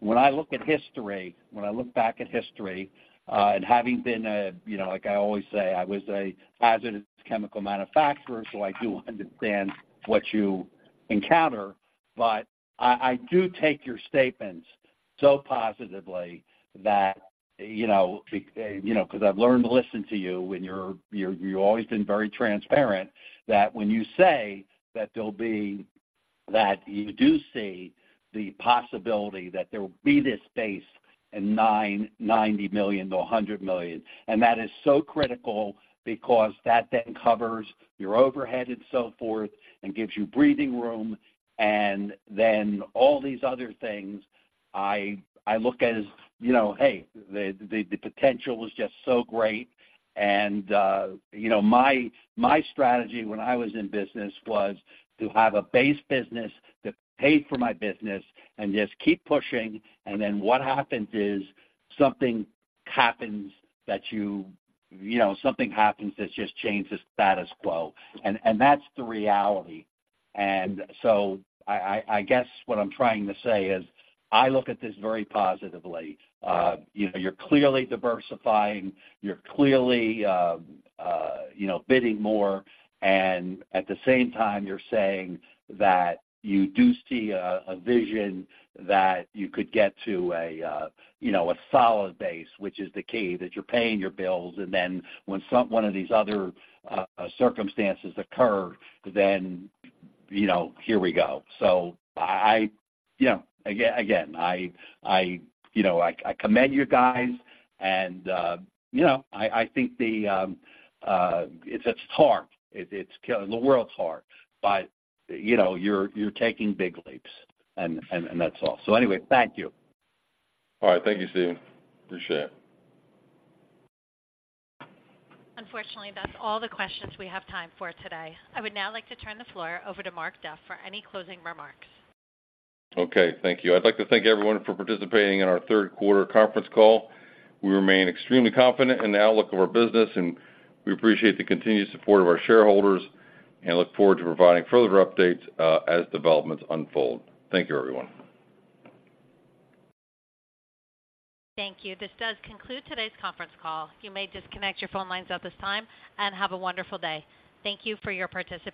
when I look at history, when I look back at history, and having been a, you know, like I always say, I was a hazardous chemical manufacturer, so I do understand what you encounter, but I, I do take your statements so positively that, you know, 'cause I've learned to listen to you when you're, you've always been very transparent, that when you say that there'll be, that you do see the possibility that there will be this base of $90 million-$100 million. And that is so critical because that then covers your overhead and so forth and gives you breathing room. And then all these other things I look at as, you know, hey, the potential is just so great and, you know, my strategy when I was in business was to have a base business to pay for my business and just keep pushing, and then what happens is, something happens that you know just changes the status quo. That's the reality. So I guess what I'm trying to say is, I look at this very positively. You know, you're clearly diversifying, you're clearly, you know, bidding more, and at the same time, you're saying that you do see a vision that you could get to a, you know, a solid base, which is the key, that you're paying your bills. And then when someone of these other circumstances occur, then, you know, here we go. So, you know, again, I commend you guys, and, you know, I think it's hard. It's hard. The world's hard, but, you know, you're taking big leaps, and that's all. So anyway, thank you. All right. Thank you, Steven. Appreciate it. Unfortunately, that's all the questions we have time for today. I would now like to turn the floor over to Mark Duff for any closing remarks. Okay, thank you. I'd like to thank everyone for participating in our third quarter conference call. We remain extremely confident in the outlook of our business, and we appreciate the continued support of our shareholders and look forward to providing further updates, as developments unfold. Thank you, everyone. Thank you. This does conclude today's conference call. You may disconnect your phone lines at this time, and have a wonderful day. Thank you for your participation.